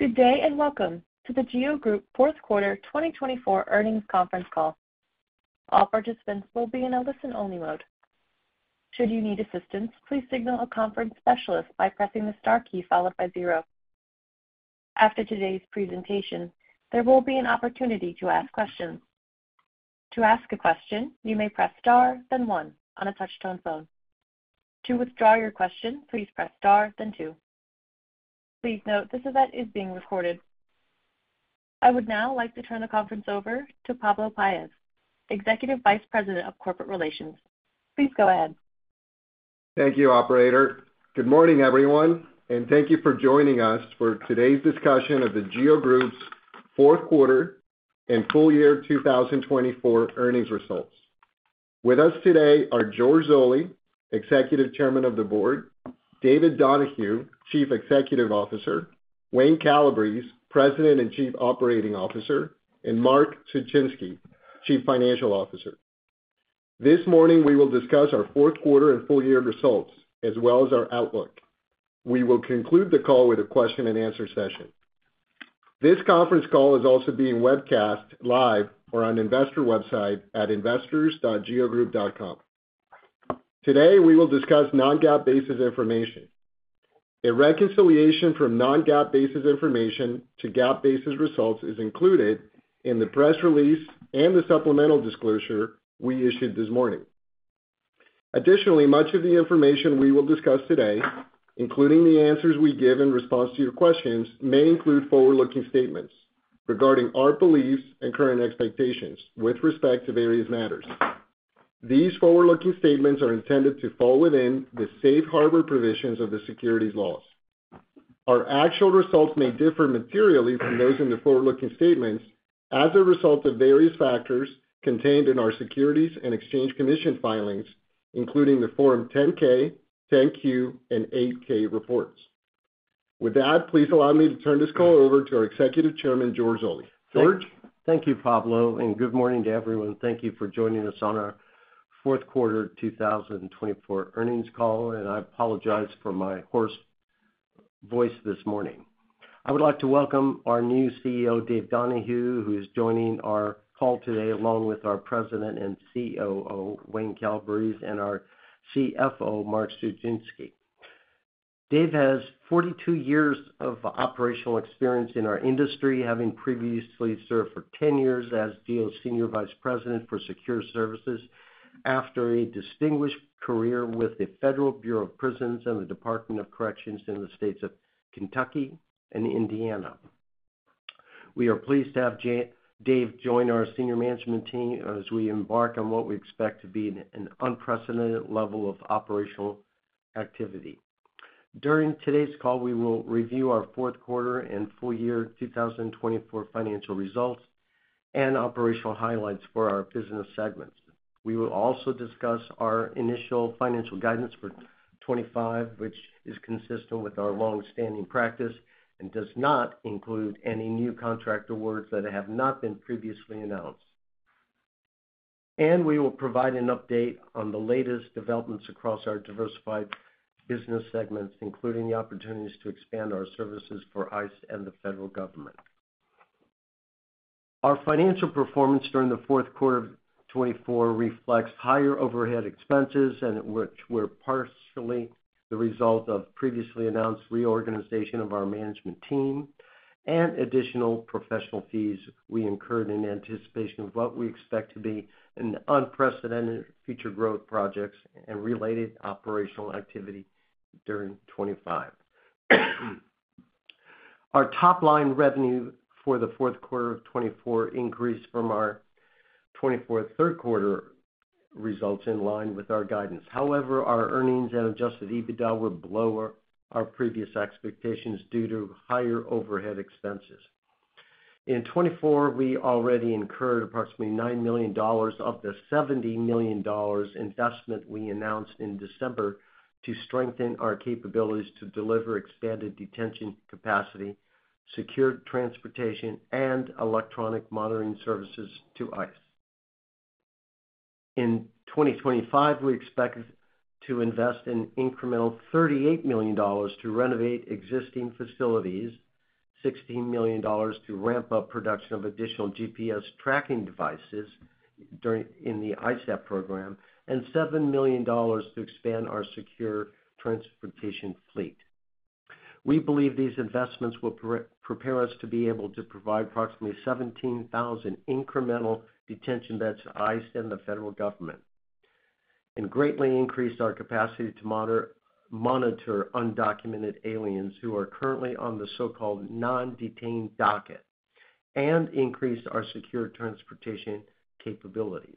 Good day and welcome to the GEO Group Fourth Quarter 2024 Earnings Conference Call. All participants will be in a listen-only mode. Should you need assistance, please signal a conference specialist by pressing the star key followed by zero. After today's presentation, there will be an opportunity to ask questions. To ask a question, you may press star, then one, on a touch-tone phone. To withdraw your question, please press star, then two. Please note this event is being recorded. I would now like to turn the conference over to Pablo Paez, Executive Vice President of Corporate Relations. Please go ahead. Thank you, Operator. Good morning, everyone, and thank you for joining us for today's discussion of the GEO Group's Fourth Quarter and Full Year 2024 Earnings Results. With us today are George Zoley, Executive Chairman of the Board, David Donahue, Chief Executive Officer, Wayne Calabrese, President and Chief Operating Officer, and Mark Suchinski, Chief Financial Officer. This morning, we will discuss our fourth quarter and full year results, as well as our outlook. We will conclude the call with a question-and-answer session. This conference call is also being webcast live on our investor website at investors.geogroup.com. Today, we will discuss non-GAAP basis information. A reconciliation from non-GAAP basis information to GAAP basis results is included in the press release and the supplemental disclosure we issued this morning. Additionally, much of the information we will discuss today, including the answers we give in response to your questions, may include forward-looking statements regarding our beliefs and current expectations with respect to various matters. These forward-looking statements are intended to fall within the safe harbor provisions of the securities laws. Our actual results may differ materially from those in the forward-looking statements as a result of various factors contained in our Securities and Exchange Commission filings, including the Form 10-K, 10-Q, and 8-K reports. With that, please allow me to turn this call over to our Executive Chairman, George Zoley. George, thank you, Pablo, and good morning to everyone. Thank you for joining us on our Fourth Quarter 2024 earnings call, and I apologize for my hoarse voice this morning. I would like to welcome our new CEO, Dave Donahue, who is joining our call today along with our President and COO, Wayne Calabrese, and our CFO, Mark Suchinski. Dave has 42 years of operational experience in our industry, having previously served for 10 years as GEO's Senior Vice President for Secure Services after a distinguished career with the Federal Bureau of Prisons and the Department of Corrections in the states of Kentucky and Indiana. We are pleased to have Dave join our senior management team as we embark on what we expect to be an unprecedented level of operational activity. During today's call, we will review our Fourth Quarter and full year 2024 financial results and operational highlights for our business segments. We will also discuss our initial financial guidance for 2025, which is consistent with our longstanding practice and does not include any new contract awards that have not been previously announced. And we will provide an update on the latest developments across our diversified business segments, including the opportunities to expand our services for ICE and the federal government. Our financial performance during the Fourth Quarter 2024 reflects higher overhead expenses, which were partially the result of previously announced reorganization of our management team and additional professional fees we incurred in anticipation of what we expect to be unprecedented future growth projects and related operational activity during 2025. Our top-line revenue for the Fourth Quarter 2024 increased from our 2024 Third Quarter results in line with our guidance. However, our earnings and Adjusted EBITDA were below our previous expectations due to higher overhead expenses. In 2024, we already incurred approximately $9 million of the $70 million investment we announced in December to strengthen our capabilities to deliver expanded detention capacity, secure transportation, and electronic monitoring services to ICE. In 2025, we expect to invest an incremental $38 million to renovate existing facilities, $16 million to ramp up production of additional GPS tracking devices in the ISAP program, and $7 million to expand our secure transportation fleet. We believe these investments will prepare us to be able to provide approximately 17,000 incremental detention beds to ICE and the federal government, and greatly increase our capacity to monitor undocumented aliens who are currently on the so-called non-detained docket, and increase our secure transportation capabilities.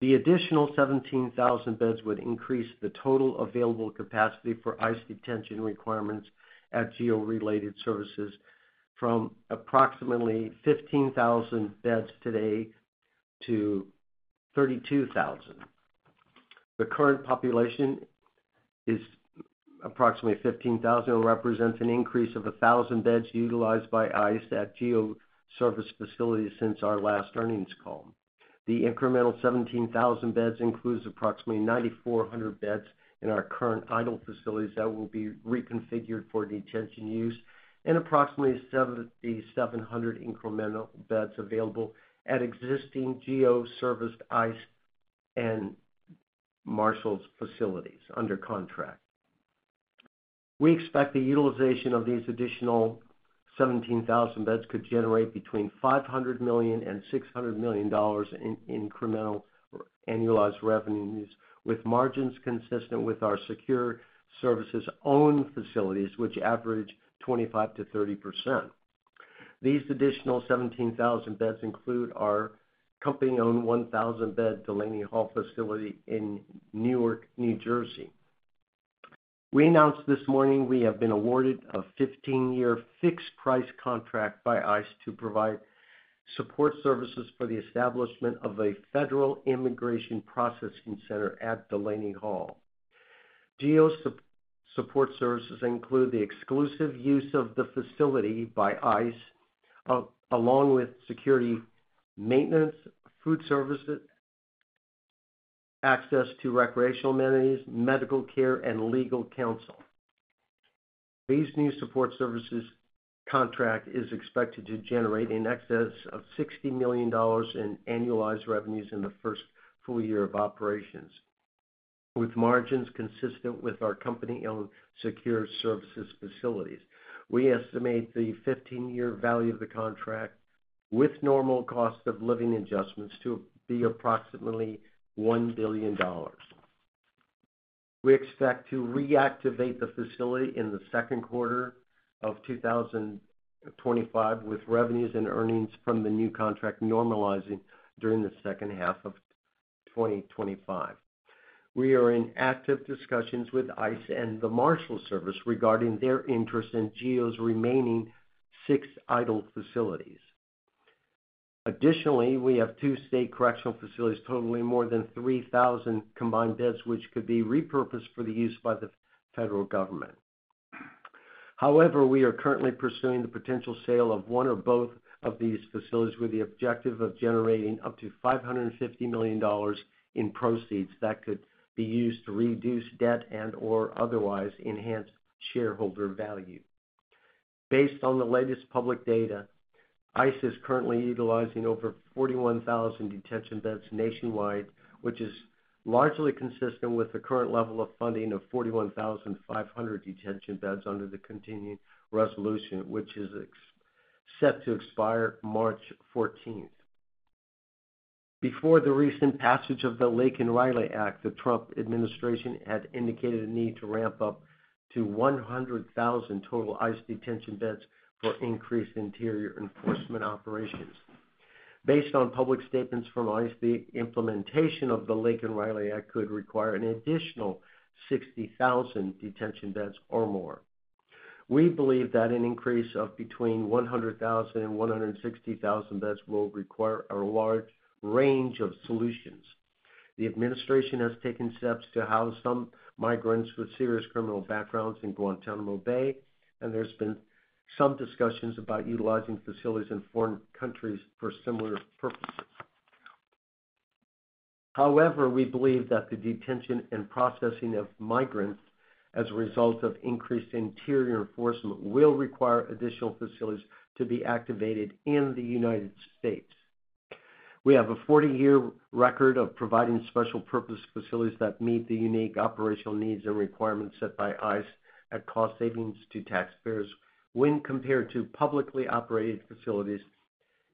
The additional 17,000 beds would increase the total available capacity for ICE detention requirements at GEO-related services from approximately 15,000 beds today to 32,000. The current population is approximately 15,000 and represents an increase of 1,000 beds utilized by ICE at GEO service facilities since our last earnings call. The incremental 17,000 beds includes approximately 9,400 beds in our current idle facilities that will be reconfigured for detention use, and approximately 7,700 incremental beds available at existing GEO-serviced ICE and Marshals facilities under contract. We expect the utilization of these additional 17,000 beds could generate between $500 million and $600 million in incremental annualized revenues, with margins consistent with our secure services-owned facilities, which average 25%-30%. These additional 17,000 beds include our company-owned 1,000-bed Delaney Hall facility in Newark, New Jersey. We announced this morning we have been awarded a 15-year fixed-price contract by ICE to provide support services for the establishment of a federal immigration processing center at Delaney Hall. GEO support services include the exclusive use of the facility by ICE, along with security maintenance, food services, access to recreational amenities, medical care, and legal counsel. These new support services contracts are expected to generate an excess of $60 million in annualized revenues in the first full year of operations, with margins consistent with our company-owned secure services facilities. We estimate the 15-year value of the contract, with normal cost of living adjustments, to be approximately $1 billion. We expect to reactivate the facility in the second quarter of 2025, with revenues and earnings from the new contract normalizing during the second half of 2025. We are in active discussions with ICE and the U.S. Marshals Service regarding their interest in GEO's remaining six idle facilities. Additionally, we have two state correctional facilities totaling more than 3,000 combined beds, which could be repurposed for the use by the federal government. However, we are currently pursuing the potential sale of one or both of these facilities with the objective of generating up to $550 million in proceeds that could be used to reduce debt and/or otherwise enhance shareholder value. Based on the latest public data, ICE is currently utilizing over 41,000 detention beds nationwide, which is largely consistent with the current level of funding of 41,500 detention beds under the Continuing Resolution, which is set to expire March 14th. Before the recent passage of the Laken Riley Act, the Trump administration had indicated a need to ramp up to 100,000 total ICE detention beds for increased interior enforcement operations. Based on public statements from ICE, the implementation of the Laken Riley Act could require an additional 60,000 detention beds or more. We believe that an increase of between 100,000 and 160,000 beds will require a large range of solutions. The administration has taken steps to house some migrants with serious criminal backgrounds in Guantanamo Bay, and there's been some discussions about utilizing facilities in foreign countries for similar purposes. However, we believe that the detention and processing of migrants as a result of increased interior enforcement will require additional facilities to be activated in the United States. We have a 40-year record of providing special purpose facilities that meet the unique operational needs and requirements set by ICE at cost savings to taxpayers when compared to publicly operated facilities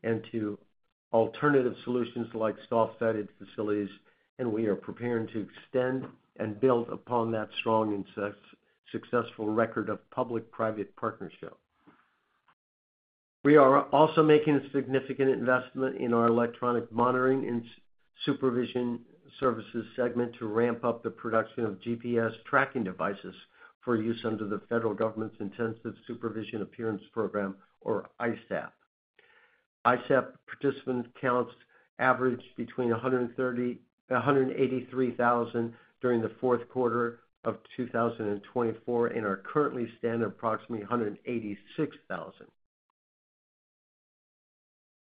and to alternative solutions like soft-sided facilities, and we are preparing to extend and build upon that strong and successful record of public-private partnership. We are also making a significant investment in our electronic monitoring and supervision services segment to ramp up the production of GPS tracking devices for use under the federal government's Intensive Supervision Appearance Program, or ISAP. ISAP participant counts averaged between 183,000 during the Fourth Quarter of 2024 and are currently standing at approximately 186,000.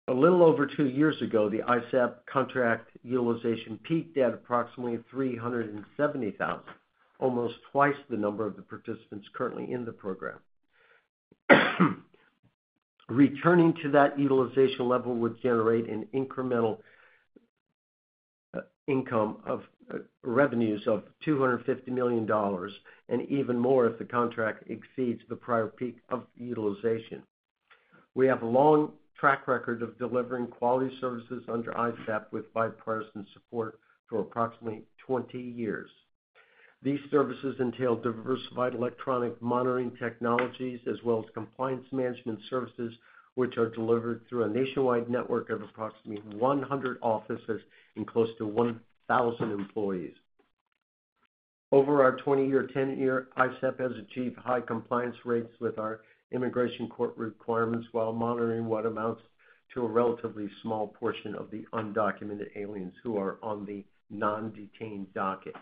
A little over two years ago, the ISAP contract utilization peaked at approximately $370,000, almost twice the number of the participants currently in the program. Returning to that utilization level would generate an incremental revenue of $250 million and even more if the contract exceeds the prior peak of utilization. We have a long track record of delivering quality services under ISAP with bipartisan support for approximately 20 years. These services entail diversified electronic monitoring technologies as well as compliance management services, which are delivered through a nationwide network of approximately 100 offices and close to 1,000 employees. Over our 20-year tenure, ISAP has achieved high compliance rates with our immigration court requirements while monitoring what amounts to a relatively small portion of the undocumented aliens who are on the non-detained docket.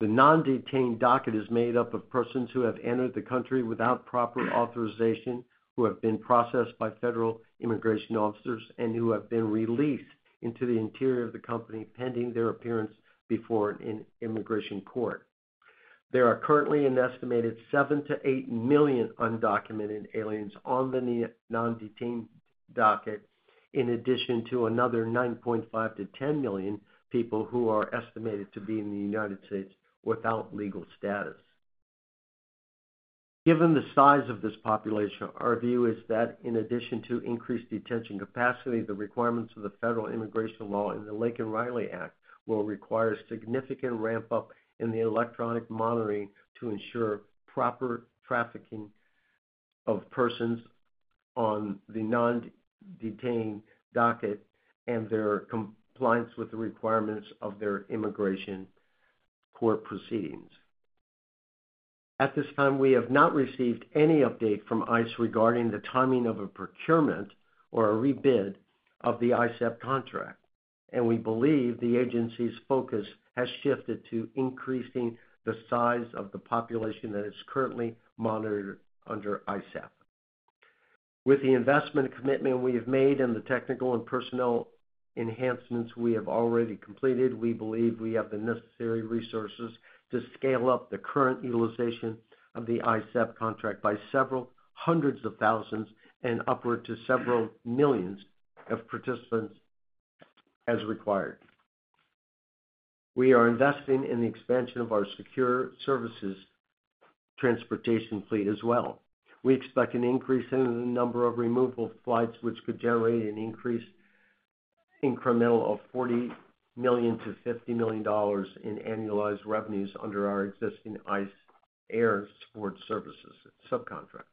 The non-detained docket is made up of persons who have entered the country without proper authorization, who have been processed by federal immigration officers, and who have been released into the interior of the country pending their appearance before an immigration court. There are currently an estimated 7-8 million undocumented aliens on the non-detained docket, in addition to another 9.5-10 million people who are estimated to be in the United States without legal status. Given the size of this population, our view is that in addition to increased detention capacity, the requirements of the federal immigration law and the Laken Riley Act will require a significant ramp-up in the electronic monitoring to ensure proper tracking of persons on the non-detained docket and their compliance with the requirements of their immigration court proceedings. At this time, we have not received any update from ICE regarding the timing of a procurement or a rebid of the ISAP contract, and we believe the agency's focus has shifted to increasing the size of the population that is currently monitored under ISAP. With the investment commitment we have made and the technical and personnel enhancements we have already completed, we believe we have the necessary resources to scale up the current utilization of the ISAP contract by several hundreds of thousands and upward to several millions of participants as required. We are investing in the expansion of our secure services transportation fleet as well. We expect an increase in the number of removal flights, which could generate an incremental of $40 million-$50 million in annualized revenues under our existing ICE Air Support Services subcontract.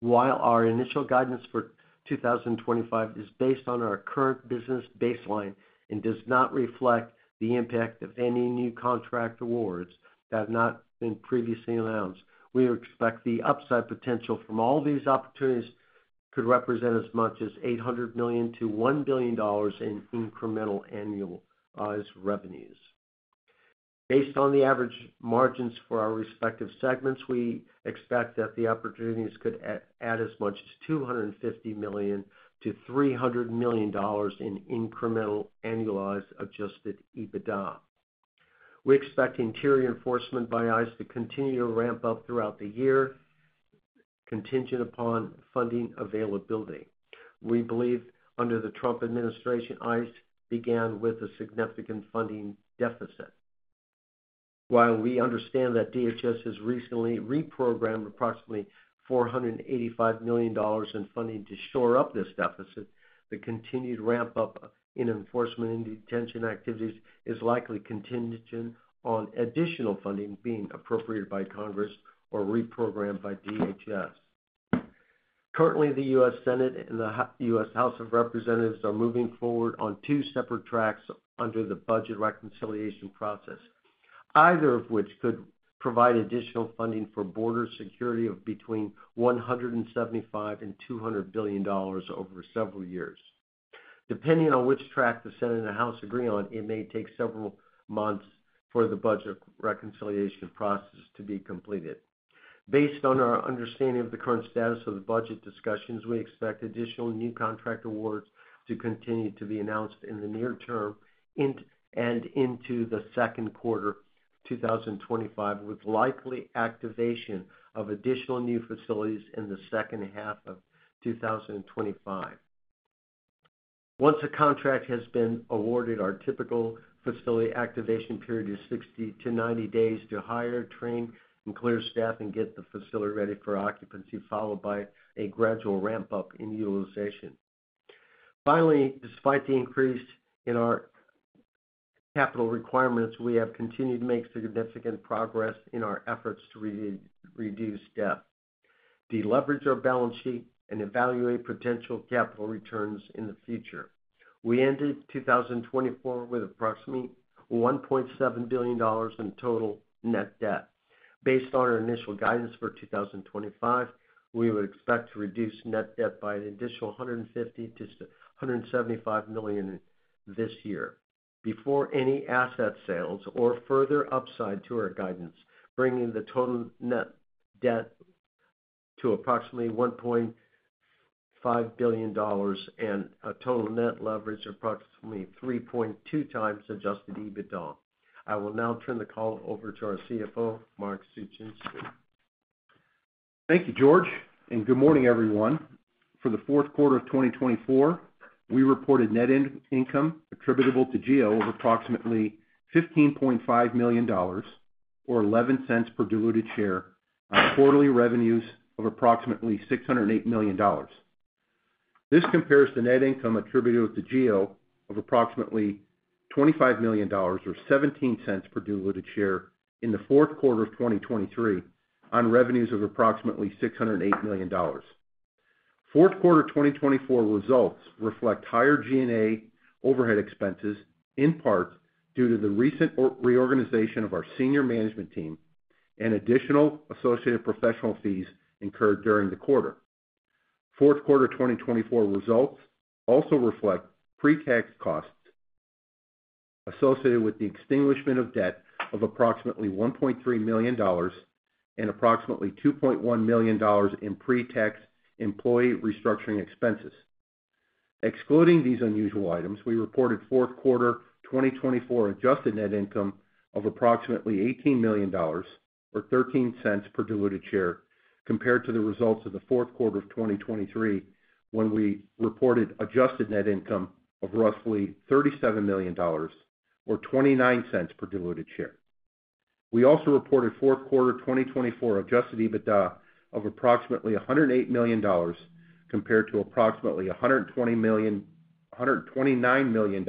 While our initial guidance for 2025 is based on our current business baseline and does not reflect the impact of any new contract awards that have not been previously announced, we expect the upside potential from all these opportunities could represent as much as $800 million-$1 billion in incremental annualized revenues. Based on the average margins for our respective segments, we expect that the opportunities could add as much as $250 million-$300 million in incremental annualized adjusted EBITDA. We expect interior enforcement by ICE to continue to ramp up throughout the year, contingent upon funding availability. We believe under the Trump administration, ICE began with a significant funding deficit. While we understand that DHS has recently reprogrammed approximately $485 million in funding to shore up this deficit, the continued ramp-up in enforcement and detention activities is likely contingent on additional funding being appropriated by Congress or reprogrammed by DHS. Currently, the U.S. Senate and the U.S. House of Representatives are moving forward on two separate tracks under the budget reconciliation process, either of which could provide additional funding for border security of between $175 and $200 billion over several years. Depending on which track the Senate and the House agree on, it may take several months for the budget reconciliation process to be completed. Based on our understanding of the current status of the budget discussions, we expect additional new contract awards to continue to be announced in the near term and into the second quarter of 2025, with likely activation of additional new facilities in the second half of 2025. Once a contract has been awarded, our typical facility activation period is 60 to 90 days to hire, train, and clear staff and get the facility ready for occupancy, followed by a gradual ramp-up in utilization. Finally, despite the increase in our capital requirements, we have continued to make significant progress in our efforts to reduce debt, deleverage our balance sheet, and evaluate potential capital returns in the future. We ended 2024 with approximately $1.7 billion in total net debt. Based on our initial guidance for 2025, we would expect to reduce net debt by an additional $150 million-$175 million this year before any asset sales or further upside to our guidance, bringing the total net debt to approximately $1.5 billion and a total net leverage of approximately 3.2x Adjusted EBITDA. I will now turn the call over to our CFO, Mark Suchinski. Thank you, George, and good morning, everyone. For the Fourth Quarter of 2024, we reported net income attributable to GEO of approximately $15.5 million, or $0.11 per diluted share, on quarterly revenues of approximately $608 million. This compares the net income attributed to GEO of approximately $25 million, or $0.17 per diluted share, in the Fourth Quarter of 2023 on revenues of approximately $608 million. Fourth Quarter 2024 results reflect higher G&A overhead expenses, in part due to the recent reorganization of our senior management team and additional associated professional fees incurred during the quarter. Fourth Quarter 2024 results also reflect pre-tax costs associated with the extinguishment of debt of approximately $1.3 million and approximately $2.1 million in pre-tax employee restructuring expenses. Excluding these unusual items, we reported Fourth Quarter 2024 Adjusted net income of approximately $18 million, or $0.13 per diluted share, compared to the results of the Fourth Quarter of 2023 when we reported Adjusted net income of roughly $37 million, or $0.29 per diluted share. We also reported Fourth Quarter 2024 Adjusted EBITDA of approximately $108 million, compared to approximately $129 million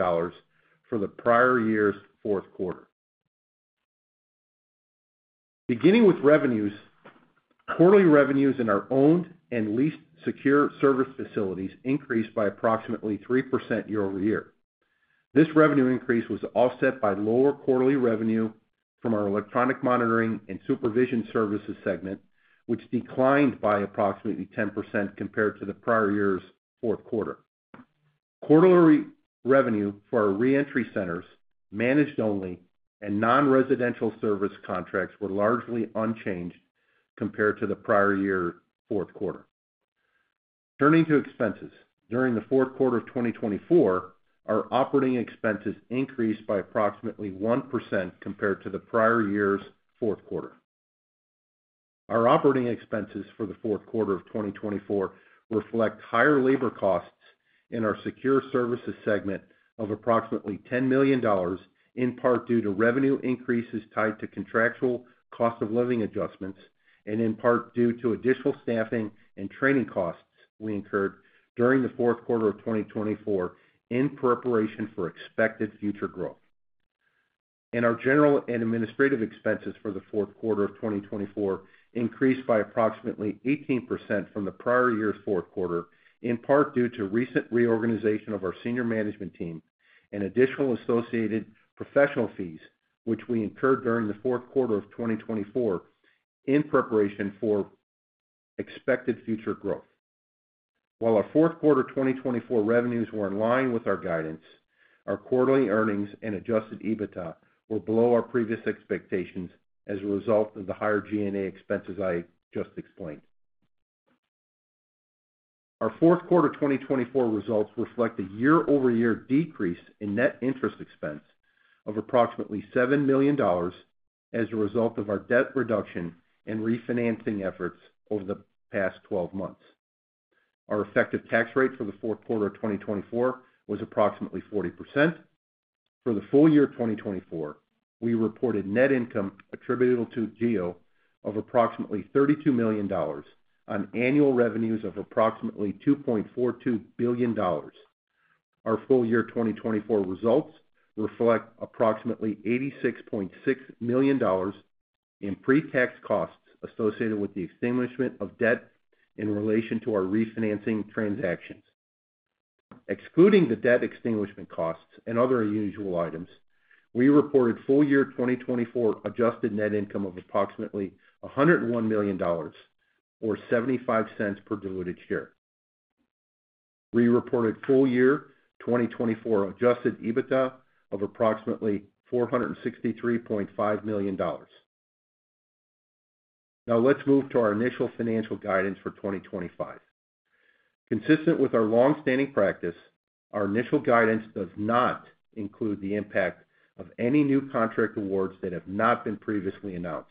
for the prior year's Fourth Quarter. Beginning with revenues, quarterly revenues in our owned and leased secure service facilities increased by approximately 3% year-over-year. This revenue increase was offset by lower quarterly revenue from our electronic monitoring and supervision services segment, which declined by approximately 10% compared to the prior year's Fourth Quarter. Quarterly revenue for our reentry centers, managed only, and non-residential service contracts were largely unchanged compared to the prior year's Fourth Quarter. Turning to expenses, during the Fourth Quarter of 2024, our operating expenses increased by approximately 1% compared to the prior year's Fourth Quarter. Our operating expenses for the Fourth Quarter of 2024 reflect higher labor costs in our secure services segment of approximately $10 million, in part due to revenue increases tied to contractual cost of living adjustments and in part due to additional staffing and training costs we incurred during the Fourth Quarter of 2024 in preparation for expected future growth, and our general and administrative expenses for the Fourth Quarter of 2024 increased by approximately 18% from the prior year's Fourth Quarter, in part due to recent reorganization of our senior management team and additional associated professional fees, which we incurred during the Fourth Quarter of 2024 in preparation for expected future growth. While our Fourth Quarter 2024 revenues were in line with our guidance, our quarterly earnings and adjusted EBITDA were below our previous expectations as a result of the higher G&A expenses I just explained. Our Fourth Quarter 2024 results reflect a year-over-year decrease in net interest expense of approximately $7 million as a result of our debt reduction and refinancing efforts over the past 12 months. Our effective tax rate for the Fourth Quarter of 2024 was approximately 40%. For the full year 2024, we reported net income attributed to GEO of approximately $32 million on annual revenues of approximately $2.42 billion. Our full year 2024 results reflect approximately $86.6 million in pre-tax costs associated with the extinguishment of debt in relation to our refinancing transactions. Excluding the debt extinguishment costs and other unusual items, we reported full year 2024 adjusted net income of approximately $101 million, or $0.75 per diluted share. We reported full year 2024 adjusted EBITDA of approximately $463.5 million. Now let's move to our initial financial guidance for 2025. Consistent with our longstanding practice, our initial guidance does not include the impact of any new contract awards that have not been previously announced.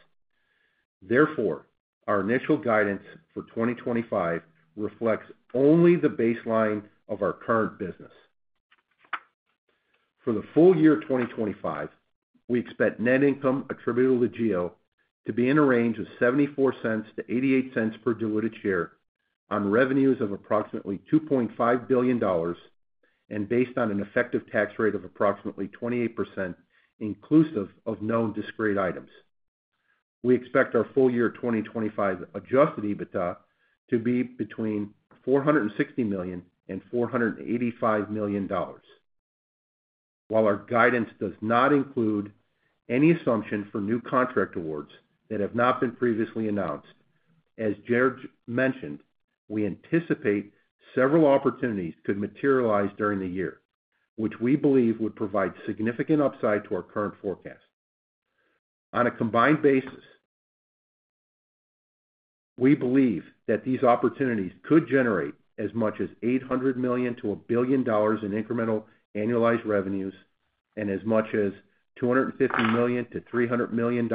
Therefore, our initial guidance for 2025 reflects only the baseline of our current business. For the full year 2025, we expect net income attributed to GEO to be in a range of $0.74-$0.88 per diluted share on revenues of approximately $2.5 billion and based on an effective tax rate of approximately 28% inclusive of known discrete items. We expect our full year 2025 adjusted EBITDA to be between $460 million-$485 million. While our guidance does not include any assumption for new contract awards that have not been previously announced, as George mentioned, we anticipate several opportunities could materialize during the year, which we believe would provide significant upside to our current forecast. On a combined basis, we believe that these opportunities could generate as much as $800 million to $1 billion in incremental annualized revenues and as much as $250 million to $300 million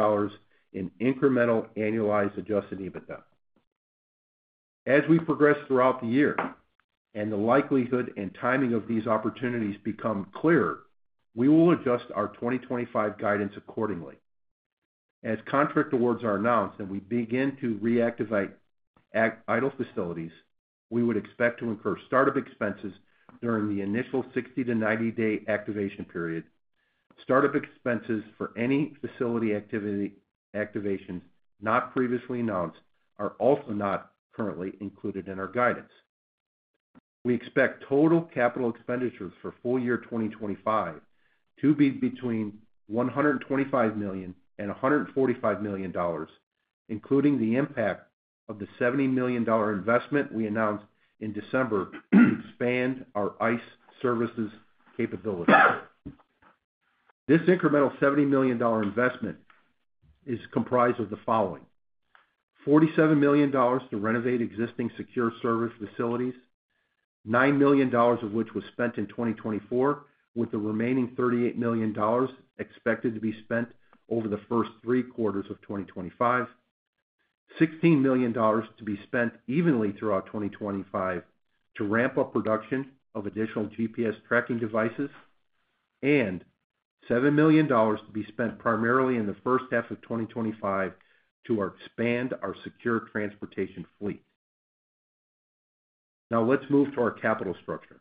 in incremental annualized Adjusted EBITDA. As we progress throughout the year and the likelihood and timing of these opportunities become clearer, we will adjust our 2025 guidance accordingly. As contract awards are announced and we begin to reactivate idle facilities, we would expect to incur startup expenses during the initial 60- to 90-day activation period. Startup expenses for any facility activations not previously announced are also not currently included in our guidance. We expect total capital expenditures for full year 2025 to be between $125 million and $145 million, including the impact of the $70 million investment we announced in December to expand our ICE services capability. This incremental $70 million investment is comprised of the following: $47 million to renovate existing secure service facilities, $9 million of which was spent in 2024, with the remaining $38 million expected to be spent over the first three quarters of 2025. $16 million to be spent evenly throughout 2025 to ramp up production of additional GPS tracking devices. And $7 million to be spent primarily in the first half of 2025 to expand our secure transportation fleet. Now let's move to our capital structure.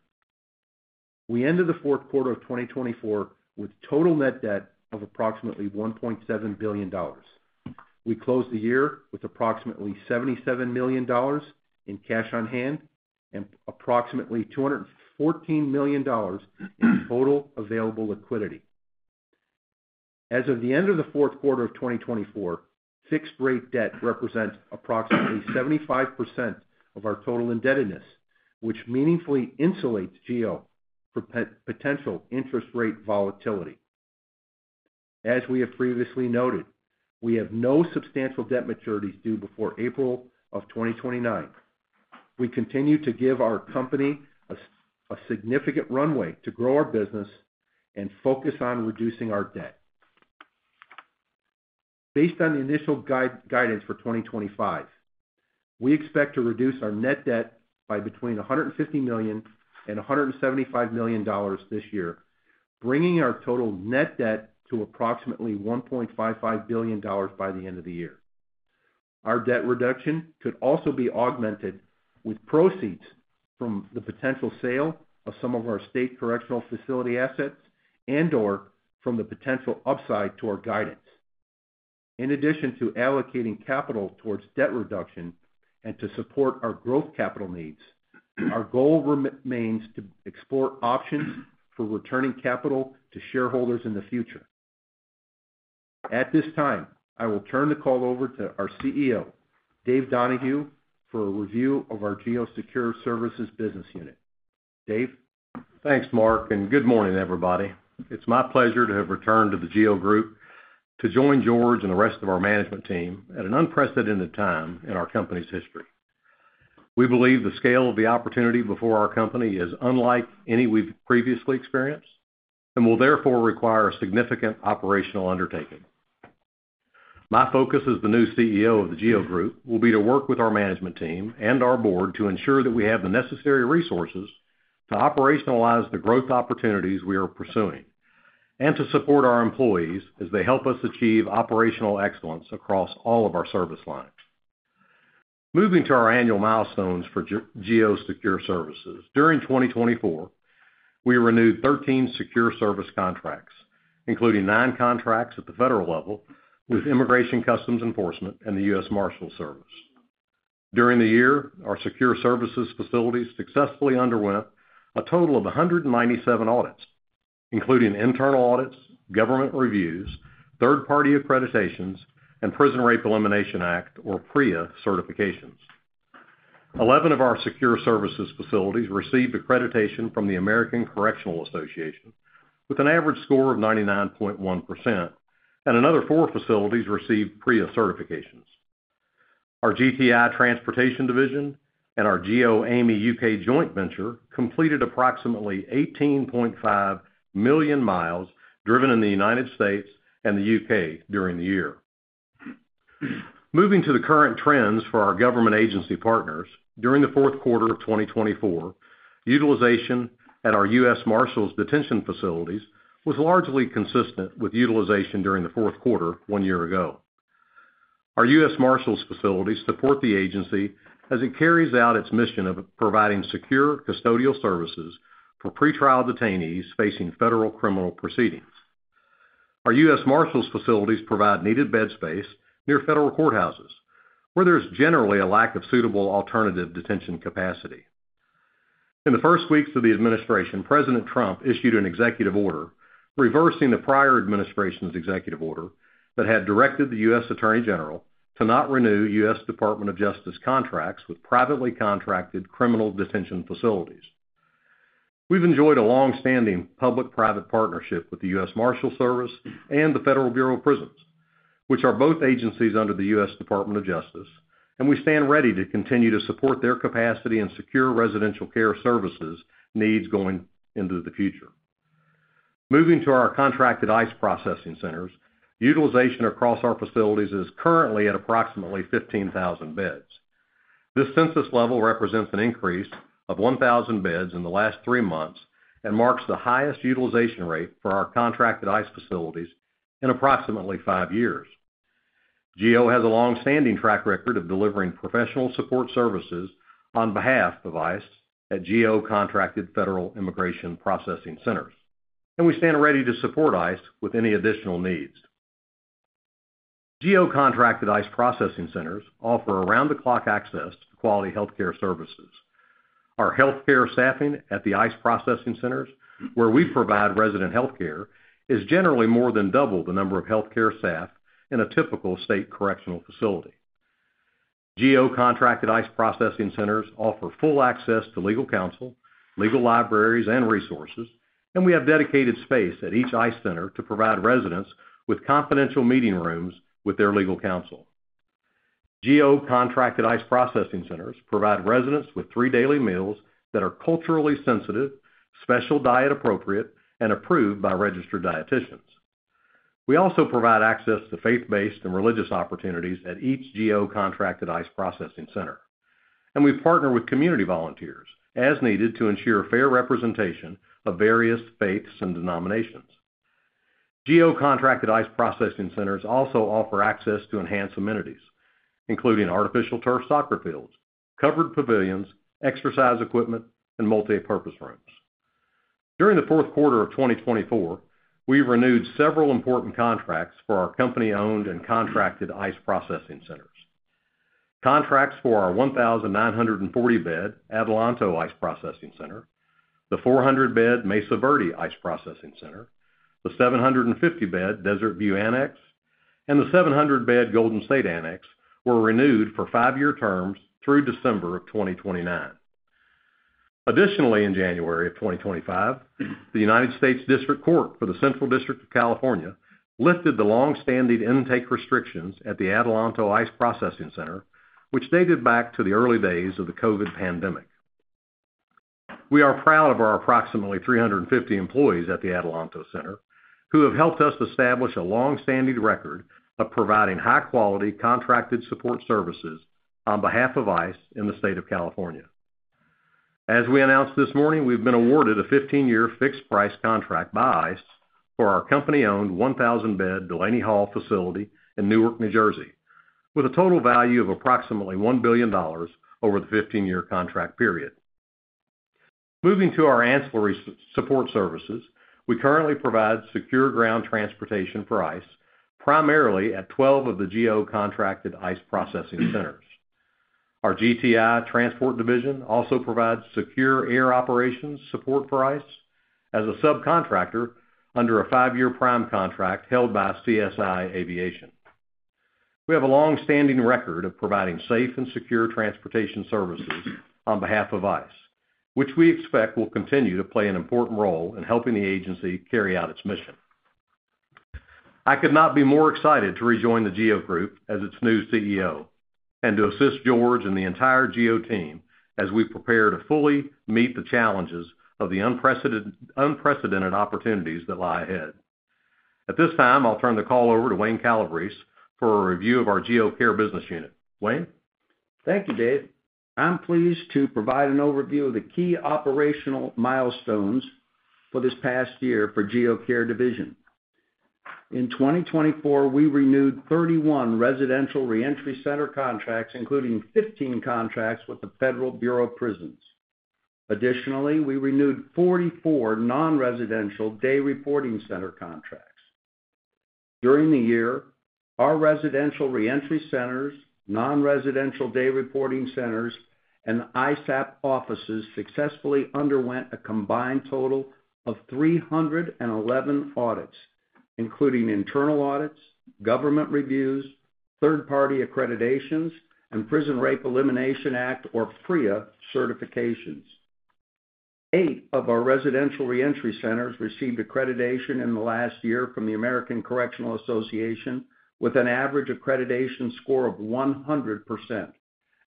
We ended the Fourth Quarter of 2024 with total net debt of approximately $1.7 billion. We closed the year with approximately $77 million in cash on hand and approximately $214 million in total available liquidity. As of the end of the Fourth Quarter of 2024, fixed-rate debt represents approximately 75% of our total indebtedness, which meaningfully insulates GEO from potential interest rate volatility. As we have previously noted, we have no substantial debt maturities due before April of 2029. We continue to give our company a significant runway to grow our business and focus on reducing our debt. Based on the initial guidance for 2025, we expect to reduce our net debt by between $150 million and $175 million this year, bringing our total net debt to approximately $1.55 billion by the end of the year. Our debt reduction could also be augmented with proceeds from the potential sale of some of our state correctional facility assets and/or from the potential upside to our guidance. In addition to allocating capital towards debt reduction and to support our growth capital needs, our goal remains to explore options for returning capital to shareholders in the future. At this time, I will turn the call over to our CEO, Dave Donahue, for a review of our GEO Secure Services business unit. Dave. Thanks, Mark, and good morning, everybody. It's my pleasure to have returned to the GEO Group to join George and the rest of our management team at an unprecedented time in our company's history. We believe the scale of the opportunity before our company is unlike any we've previously experienced and will therefore require a significant operational undertaking. My focus as the new CEO of the GEO Group will be to work with our management team and our board to ensure that we have the necessary resources to operationalize the growth opportunities we are pursuing and to support our employees as they help us achieve operational excellence across all of our service lines. Moving to our annual milestones for GEO Secure Services, during 2024, we renewed 13 secure service contracts, including nine contracts at the federal level with Immigration and Customs Enforcement, and the U.S. Marshals Service. During the year, our secure services facilities successfully underwent a total of 197 audits, including internal audits, government reviews, third-party accreditations, and Prison Rape Elimination Act, or PREA, certifications. Eleven of our secure services facilities received accreditation from the American Correctional Association with an average score of 99.1%, and another four facilities received PREA certifications. Our GTI Transportation Division and our GEOAmey U.K. Joint Venture completed approximately 18.5 million miles driven in the United States and the U.K. during the year. Moving to the current trends for our government agency partners, during the Fourth Quarter of 2024, utilization at our U.S. Marshals detention facilities was largely consistent with utilization during the Fourth Quarter one year ago. Our U.S. Marshals facilities support the agency as it carries out its mission of providing secure custodial services for pretrial detainees facing federal criminal proceedings. Our U.S. Marshals facilities provide needed bed space near federal courthouses, where there's generally a lack of suitable alternative detention capacity. In the first weeks of the administration, President Trump issued an executive order reversing the prior administration's executive order that had directed the U.S. Attorney General to not renew U.S. Department of Justice contracts with privately contracted criminal detention facilities. We've enjoyed a longstanding public-private partnership with the U.S. Marshals Service and the Federal Bureau of Prisons, which are both agencies under the U.S. Department of Justice, and we stand ready to continue to support their capacity and secure residential care services needs going into the future. Moving to our contracted ICE processing centers, utilization across our facilities is currently at approximately 15,000 beds. This census level represents an increase of 1,000 beds in the last three months and marks the highest utilization rate for our contracted ICE facilities in approximately five years. GEO has a longstanding track record of delivering professional support services on behalf of ICE at GEO contracted federal immigration processing centers, and we stand ready to support ICE with any additional needs. GEO contracted ICE processing centers offer around-the-clock access to quality healthcare services. Our healthcare staffing at the ICE processing centers, where we provide resident healthcare, is generally more than double the number of healthcare staff in a typical state correctional facility. GEO contracted ICE processing centers offer full access to legal counsel, legal libraries, and resources, and we have dedicated space at each ICE center to provide residents with confidential meeting rooms with their legal counsel. GEO-contracted ICE processing centers provide residents with three daily meals that are culturally sensitive, special diet appropriate, and approved by registered dieticians. We also provide access to faith-based and religious opportunities at each GEO-contracted ICE processing center, and we partner with community volunteers as needed to ensure fair representation of various faiths and denominations. GEO-contracted ICE processing centers also offer access to enhanced amenities, including artificial turf soccer fields, covered pavilions, exercise equipment, and multipurpose rooms. During the Fourth Quarter of 2024, we renewed several important contracts for our company-owned and contracted ICE processing centers. Contracts for our 1,940-bed Adelanto ICE Processing Center, the 400-bed Mesa Verde ICE Processing Center, the 750-bed Desert View Annex, and the 700-bed Golden State Annex were renewed for five-year terms through December of 2029. Additionally, in January of 2025, the United States District Court for the Central District of California lifted the longstanding intake restrictions at the Adelanto ICE Processing Center, which dated back to the early days of the COVID pandemic. We are proud of our approximately 350 employees at the Adelanto center who have helped us establish a longstanding record of providing high-quality contracted support services on behalf of ICE in the state of California. As we announced this morning, we've been awarded a 15-year fixed-price contract by ICE for our company-owned 1,000-bed Delaney Hall facility in Newark, New Jersey, with a total value of approximately $1 billion over the 15-year contract period. Moving to our ancillary support services, we currently provide secure ground transportation for ICE primarily at 12 of the GEO contracted ICE processing centers. Our GTI Transport Division also provides secure air operations support for ICE as a subcontractor under a five-year prime contract held by CSI Aviation. We have a longstanding record of providing safe and secure transportation services on behalf of ICE, which we expect will continue to play an important role in helping the agency carry out its mission. I could not be more excited to rejoin the GEO Group as its new CEO and to assist George and the entire GEO team as we prepare to fully meet the challenges of the unprecedented opportunities that lie ahead. At this time, I'll turn the call over to Wayne Calabrese for a review of our GEO Care Business Unit. Wayne? Thank you, Dave. I'm pleased to provide an overview of the key operational milestones for this past year for GEO Care Division. In 2024, we renewed 31 residential reentry center contracts, including 15 contracts with the Federal Bureau of Prisons. Additionally, we renewed 44 non-residential day reporting center contracts. During the year, our residential reentry centers, non-residential day reporting centers, and ISAP offices successfully underwent a combined total of 311 audits, including internal audits, government reviews, third-party accreditations, and Prison Rape Elimination Act, or PREA, certifications. Eight of our residential reentry centers received accreditation in the last year from the American Correctional Association with an average accreditation score of 100%,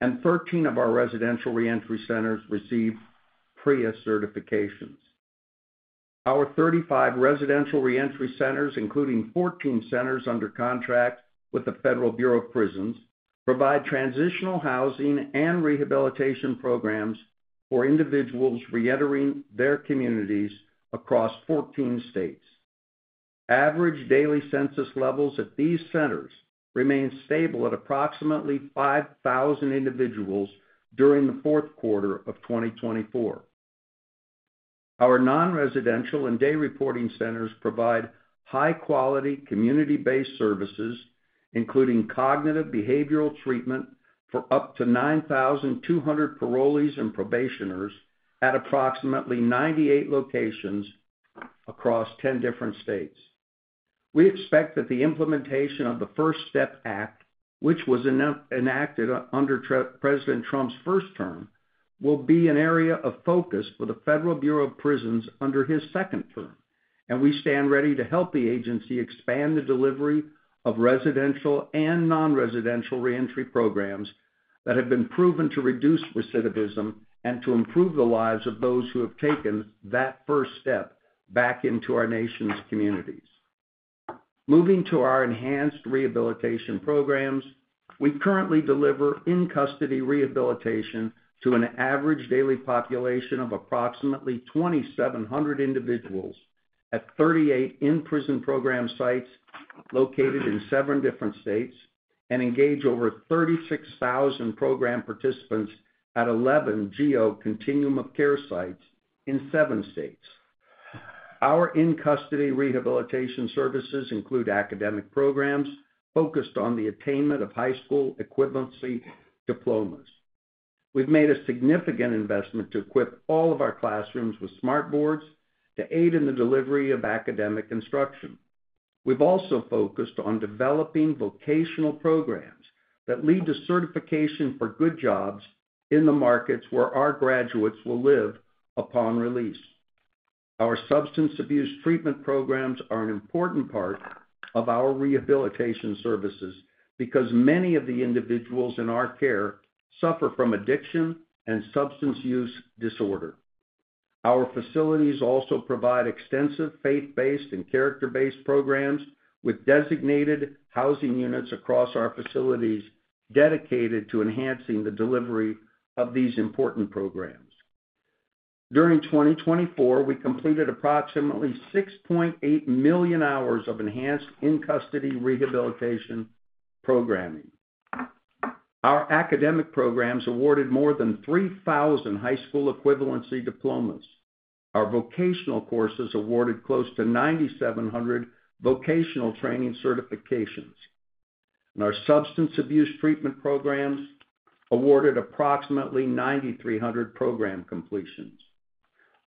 and 13 of our residential reentry centers received PREA certifications. Our 35 residential reentry centers, including 14 centers under contract with the Federal Bureau of Prisons, provide transitional housing and rehabilitation programs for individuals reentering their communities across 14 states. Average daily census levels at these centers remain stable at approximately 5,000 individuals during the Fourth Quarter of 2024. Our non-residential and day reporting centers provide high-quality community-based services, including cognitive behavioral treatment for up to 9,200 parolees and probationers at approximately 98 locations across 10 different states. We expect that the implementation of the First Step Act, which was enacted under President Trump's first term, will be an area of focus for the Federal Bureau of Prisons under his second term, and we stand ready to help the agency expand the delivery of residential and non-residential reentry programs that have been proven to reduce recidivism and to improve the lives of those who have taken that first step back into our nation's communities. Moving to our enhanced rehabilitation programs, we currently deliver in-custody rehabilitation to an average daily population of approximately 2,700 individuals at 38 in-prison program sites located in seven different states and engage over 36,000 program participants at 11 GEO Continuum of Care sites in seven states. Our in-custody rehabilitation services include academic programs focused on the attainment of high school equivalency diplomas. We've made a significant investment to equip all of our classrooms with smart boards to aid in the delivery of academic instruction. We've also focused on developing vocational programs that lead to certification for good jobs in the markets where our graduates will live upon release. Our substance abuse treatment programs are an important part of our rehabilitation services because many of the individuals in our care suffer from addiction and substance use disorder. Our facilities also provide extensive faith-based and character-based programs with designated housing units across our facilities dedicated to enhancing the delivery of these important programs. During 2024, we completed approximately 6.8 million hours of enhanced in-custody rehabilitation programming. Our academic programs awarded more than 3,000 high school equivalency diplomas. Our vocational courses awarded close to 9,700 vocational training certifications, and our substance abuse treatment programs awarded approximately 9,300 program completions.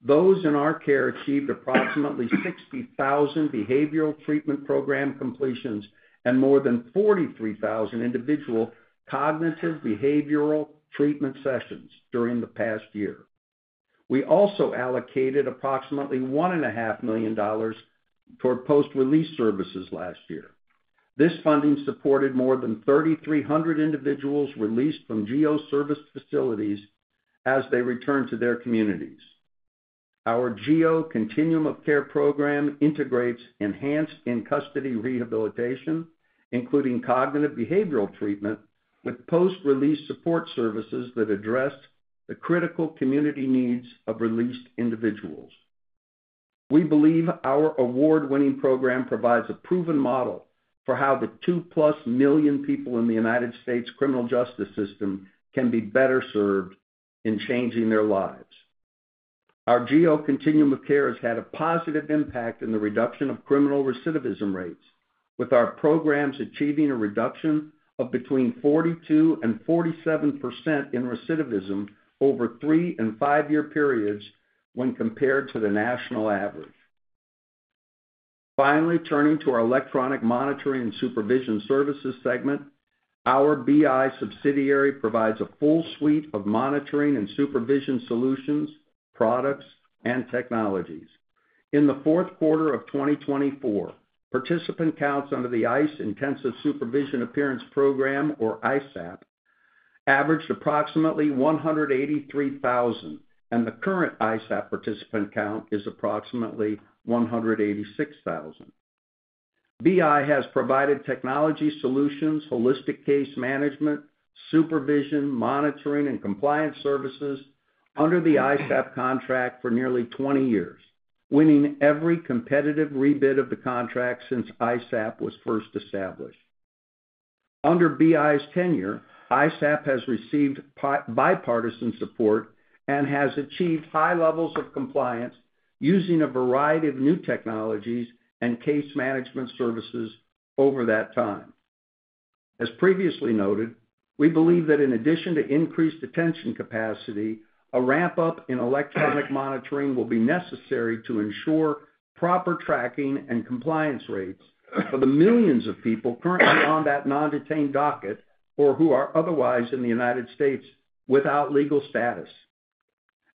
Those in our care achieved approximately 60,000 behavioral treatment program completions and more than 43,000 individual cognitive behavioral treatment sessions during the past year. We also allocated approximately $1.5 million toward post-release services last year. This funding supported more than 3,300 individuals released from GEO service facilities as they returned to their communities. Our GEO Continuum of Care program integrates enhanced in-custody rehabilitation, including cognitive behavioral treatment, with post-release support services that address the critical community needs of released individuals. We believe our award-winning program provides a proven model for how the 2 million+ people in the United States criminal justice system can be better served in changing their lives. Our GEO Continuum of Care has had a positive impact in the reduction of criminal recidivism rates, with our programs achieving a reduction of between 42% and 47% in recidivism over three- and five-year periods when compared to the national average. Finally, turning to our electronic monitoring and supervision services segment, our BI subsidiary provides a full suite of monitoring and supervision solutions, products, and technologies. In the fourth quarter of 2024, participant counts under the ICE Intensive Supervision Appearance Program, or ISAP, averaged approximately 183,000, and the current ISAP participant count is approximately 186,000. BI has provided technology solutions, holistic case management, supervision, monitoring, and compliance services under the ISAP contract for nearly 20 years, winning every competitive rebid of the contract since ISAP was first established. Under BI's tenure, ISAP has received bipartisan support and has achieved high levels of compliance using a variety of new technologies and case management services over that time. As previously noted, we believe that in addition to increased attention capacity, a ramp-up in electronic monitoring will be necessary to ensure proper tracking and compliance rates for the millions of people currently on that non-detained docket or who are otherwise in the United States without legal status.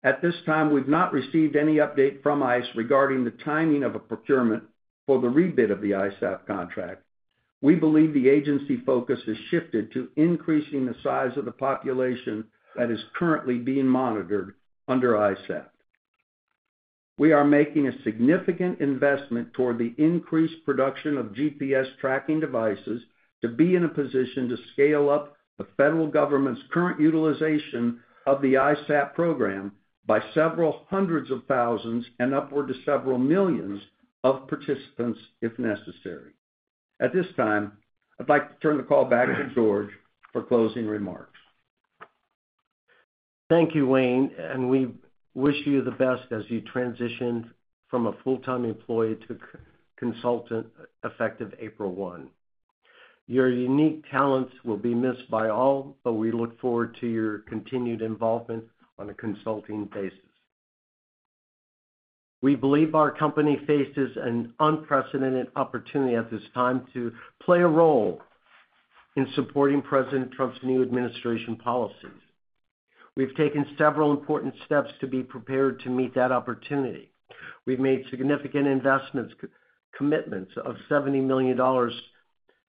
At this time, we've not received any update from ICE regarding the timing of a procurement for the rebid of the ISAP contract. We believe the agency focus has shifted to increasing the size of the population that is currently being monitored under ISAP. We are making a significant investment toward the increased production of GPS tracking devices to be in a position to scale up the federal government's current utilization of the ISAP program by several hundreds of thousands and upward to several millions of participants if necessary. At this time, I'd like to turn the call back to George for closing remarks. Thank you, Wayne, and we wish you the best as you transition from a full-time employee to consultant effective April 1. Your unique talents will be missed by all, but we look forward to your continued involvement on a consulting basis. We believe our company faces an unprecedented opportunity at this time to play a role in supporting President Trump's new administration policies. We've taken several important steps to be prepared to meet that opportunity. We've made significant investment commitments of $70 million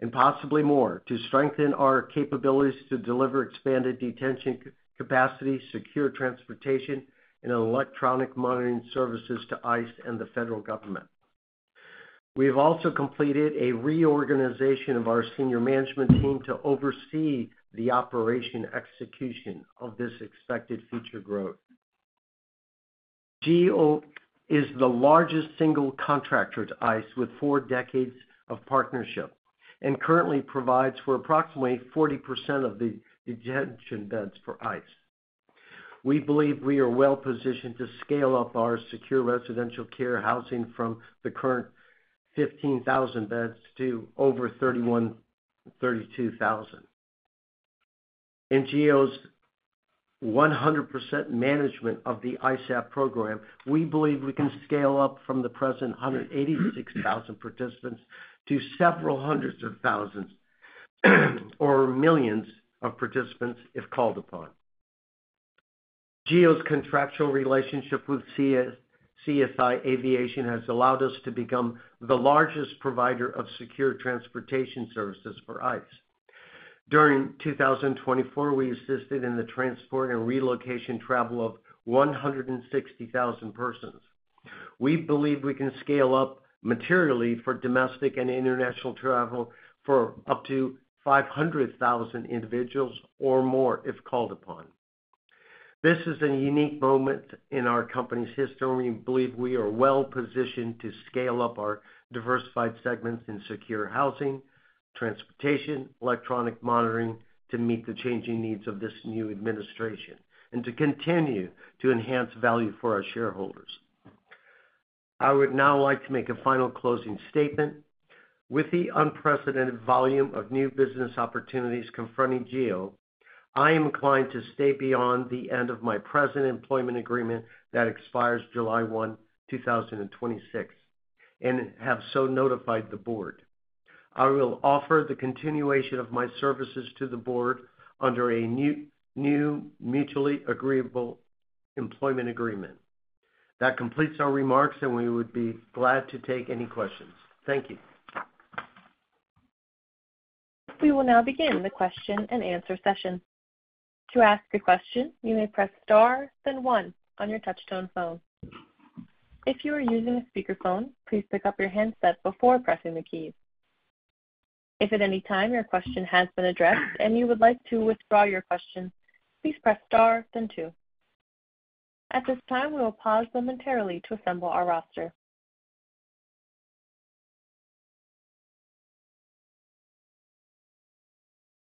and possibly more to strengthen our capabilities to deliver expanded detention capacity, secure transportation, and electronic monitoring services to ICE and the federal government. We have also completed a reorganization of our senior management team to oversee the operation execution of this expected future growth. GEO is the largest single contractor to ICE with four decades of partnership and currently provides for approximately 40% of the detention beds for ICE. We believe we are well positioned to scale up our secure residential care housing from the current 15,000 beds to over 31,000. In GEO's 100% management of the ISAP program, we believe we can scale up from the present 186,000 participants to several hundreds of thousands or millions of participants if called upon. GEO's contractual relationship with CSI Aviation has allowed us to become the largest provider of secure transportation services for ICE. During 2024, we assisted in the transport and relocation travel of 160,000 persons. We believe we can scale up materially for domestic and international travel for up to 500,000 individuals or more if called upon. This is a unique moment in our company's history, and we believe we are well positioned to scale up our diversified segments in secure housing, transportation, electronic monitoring to meet the changing needs of this new administration and to continue to enhance value for our shareholders. I would now like to make a final closing statement. With the unprecedented volume of new business opportunities confronting GEO, I am inclined to stay beyond the end of my present employment agreement that expires July 1, 2026, and have so notified the board. I will offer the continuation of my services to the board under a new mutually agreeable employment agreement. That completes our remarks, and we would be glad to take any questions. Thank you. We will now begin the question and answer session. To ask a question, you may press star, then one on your touchtone phone. If you are using a speakerphone, please pick up your handset before pressing the keys. If at any time your question has been addressed and you would like to withdraw your question, please press star, then two. At this time, we will pause momentarily to assemble our roster.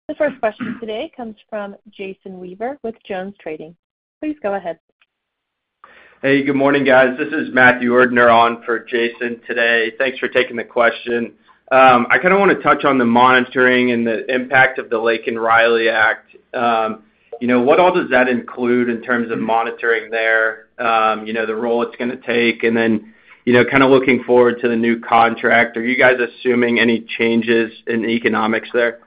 The first question today comes from Jason Weaver with JonesTrading. Please go ahead. Hey, good morning, guys. This is Matthew Erdner on for Jason today. Thanks for taking the question. I kind of want to touch on the monitoring and the impact of the Laken Riley Act. What all does that include in terms of monitoring there, the role it's going to take, and then kind of looking forward to the new contract? Are you guys assuming any changes in the economics there?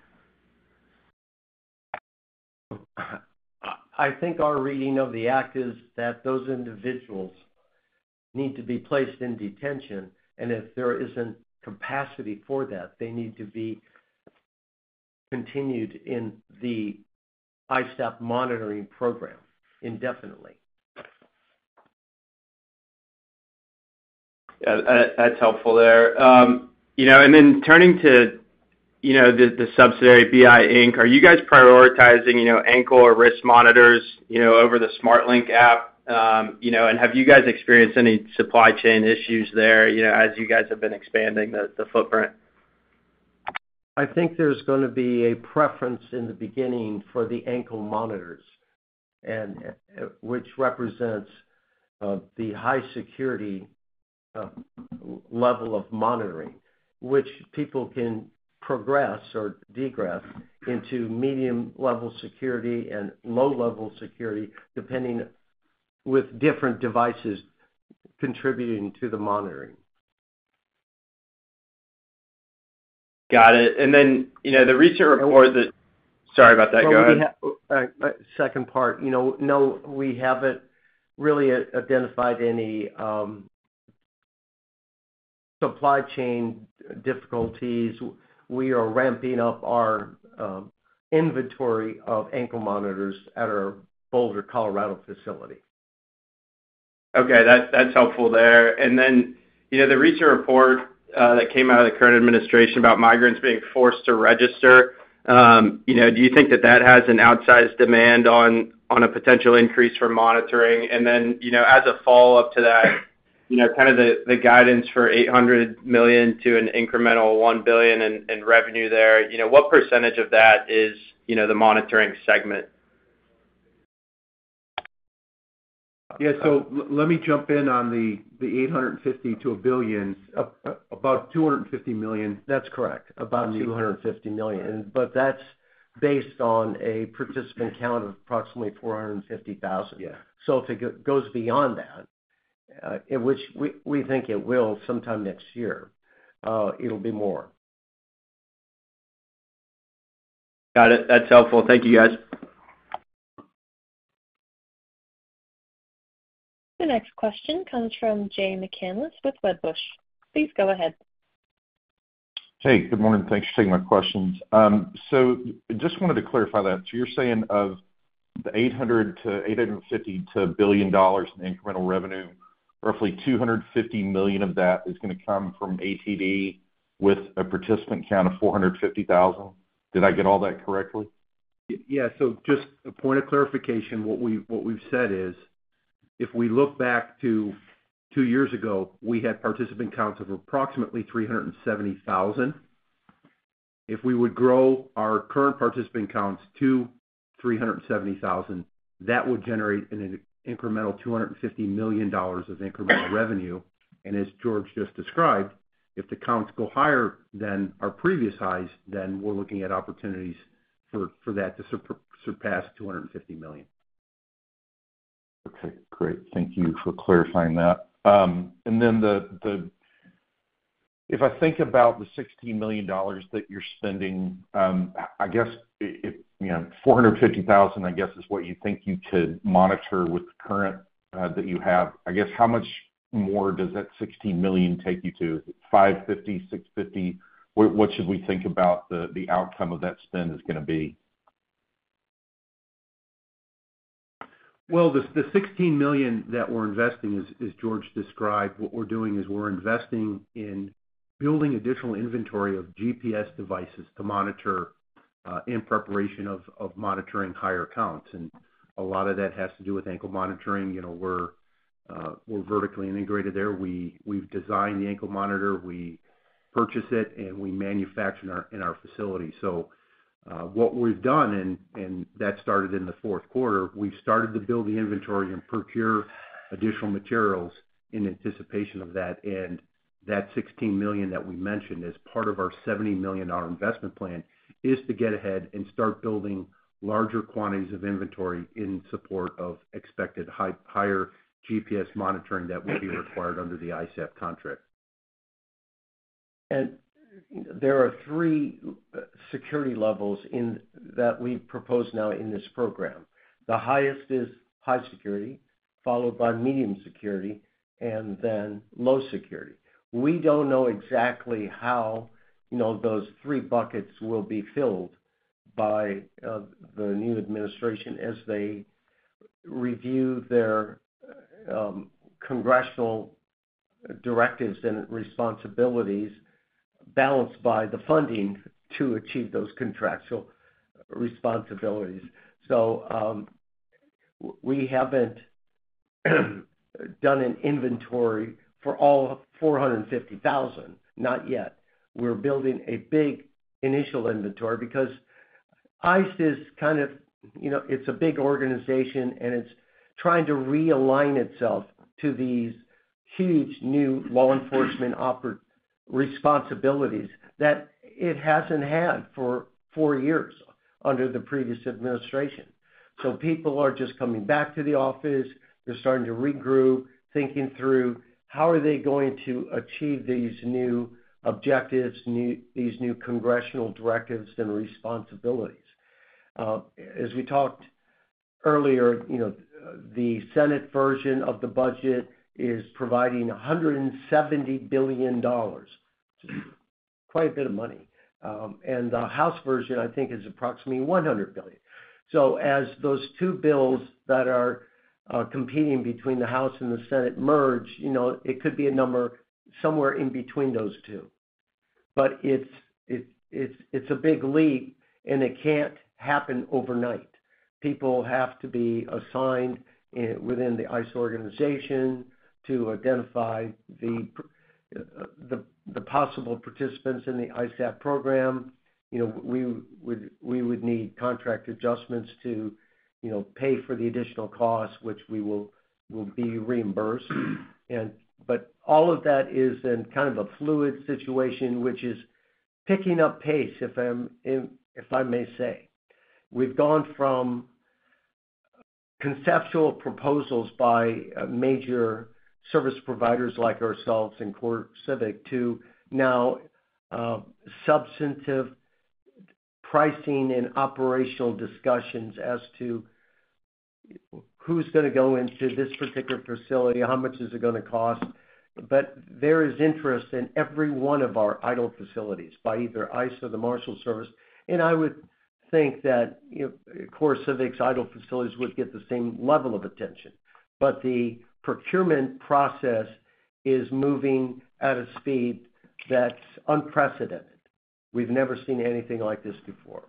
I think our reading of the act is that those individuals need to be placed in detention, and if there isn't capacity for that, they need to be continued in the ISAP monitoring program indefinitely. That's helpful there. And then turning to the subsidiary BI Inc., are you guys prioritizing ankle or wrist monitors over the SmartLink app? And have you guys experienced any supply chain issues there as you guys have been expanding the footprint? I think there's going to be a preference in the beginning for the ankle monitors, which represents the high security level of monitoring, which people can progress or de-escalate into medium-level security and low-level security with different devices contributing to the monitoring. Got it, and then the recent report that, sorry about that, go ahead. No, we have a second part. No, we haven't really identified any supply chain difficulties. We are ramping up our inventory of ankle monitors at our Boulder, Colorado facility. Okay. That's helpful there. And then the recent report that came out of the current administration about migrants being forced to register, do you think that that has an outsized demand on a potential increase for monitoring? And then as a follow up to that, kind of the guidance for $800 million to an incremental $1 billion in revenue there, what percentage of that is the monitoring segment? Yeah. So let me jump in on the $850 million to $1 billion, about $250 million. That's correct. About $250 million. But that's based on a participant count of approximately $450,000. So if it goes beyond that, which we think it will sometime next year, it'll be more. Got it. That's helpful. Thank you, guys. The next question comes from Jay McCanless with Wedbush. Please go ahead. Hey, good morning. Thanks for taking my questions. So I just wanted to clarify that. So you're saying of the $800 million-$850 million to $1 billion in incremental revenue, roughly $250 million of that is going to come from ATD with a participant count of $450,000. Did I get all that correctly? Yeah. So just a point of clarification, what we've said is if we look back to two years ago, we had participant counts of approximately $370,000. If we would grow our current participant counts to $370,000, that would generate an incremental $250 million of incremental revenue. And as George just described, if the counts go higher than our previous highs, then we're looking at opportunities for that to surpass $250 million. Okay. Great. Thank you for clarifying that. And then if I think about the $16 million that you're spending, I guess $450,000, I guess, is what you think you could monitor with the current that you have. I guess how much more does that $16 million take you to? $550, 000, 650? What should we think about the outcome of that spend is going to be? The $16 million that we're investing, as George described, what we're doing is we're investing in building additional inventory of GPS devices to monitor in preparation of monitoring higher counts. A lot of that has to do with ankle monitoring. We're vertically integrated there. We've designed the ankle monitor. We purchase it, and we manufacture in our facility. What we've done, and that started in the fourth quarter, we've started to build the inventory and procure additional materials in anticipation of that. That $16 million that we mentioned as part of our $70 million investment plan is to get ahead and start building larger quantities of inventory in support of expected higher GPS monitoring that will be required under the ISAP contract. There are three security levels that we propose now in this program. The highest is high security, followed by medium security, and then low security. We don't know exactly how those three buckets will be filled by the new administration as they review their congressional directives and responsibilities balanced by the funding to achieve those contractual responsibilities. So we haven't done an inventory for all $450,000, not yet. We're building a big initial inventory because ICE is kind of, it's a big organization, and it's trying to realign itself to these huge new law enforcement responsibilities that it hasn't had for four years under the previous administration. So people are just coming back to the office. They're starting to regroup, thinking through how are they going to achieve these new objectives, these new congressional directives and responsibilities. As we talked earlier, the Senate version of the budget is providing $170 billion, quite a bit of money. And the House version, I think, is approximately $100 billion. So as those two bills that are competing between the House and the Senate merge, it could be a number somewhere in between those two. But it's a big leap, and it can't happen overnight. People have to be assigned within the ICE organization to identify the possible participants in the ISAP program. We would need contract adjustments to pay for the additional costs, which we will be reimbursed. But all of that is in kind of a fluid situation, which is picking up pace, if I may say. We've gone from conceptual proposals by major service providers like ourselves and CoreCivic to now substantive pricing and operational discussions as to who's going to go into this particular facility, how much is it going to cost. But there is interest in every one of our idle facilities by either ICE or the Marshals Service. And I would think that CoreCivic's idle facilities would get the same level of attention. But the procurement process is moving at a speed that's unprecedented. We've never seen anything like this before.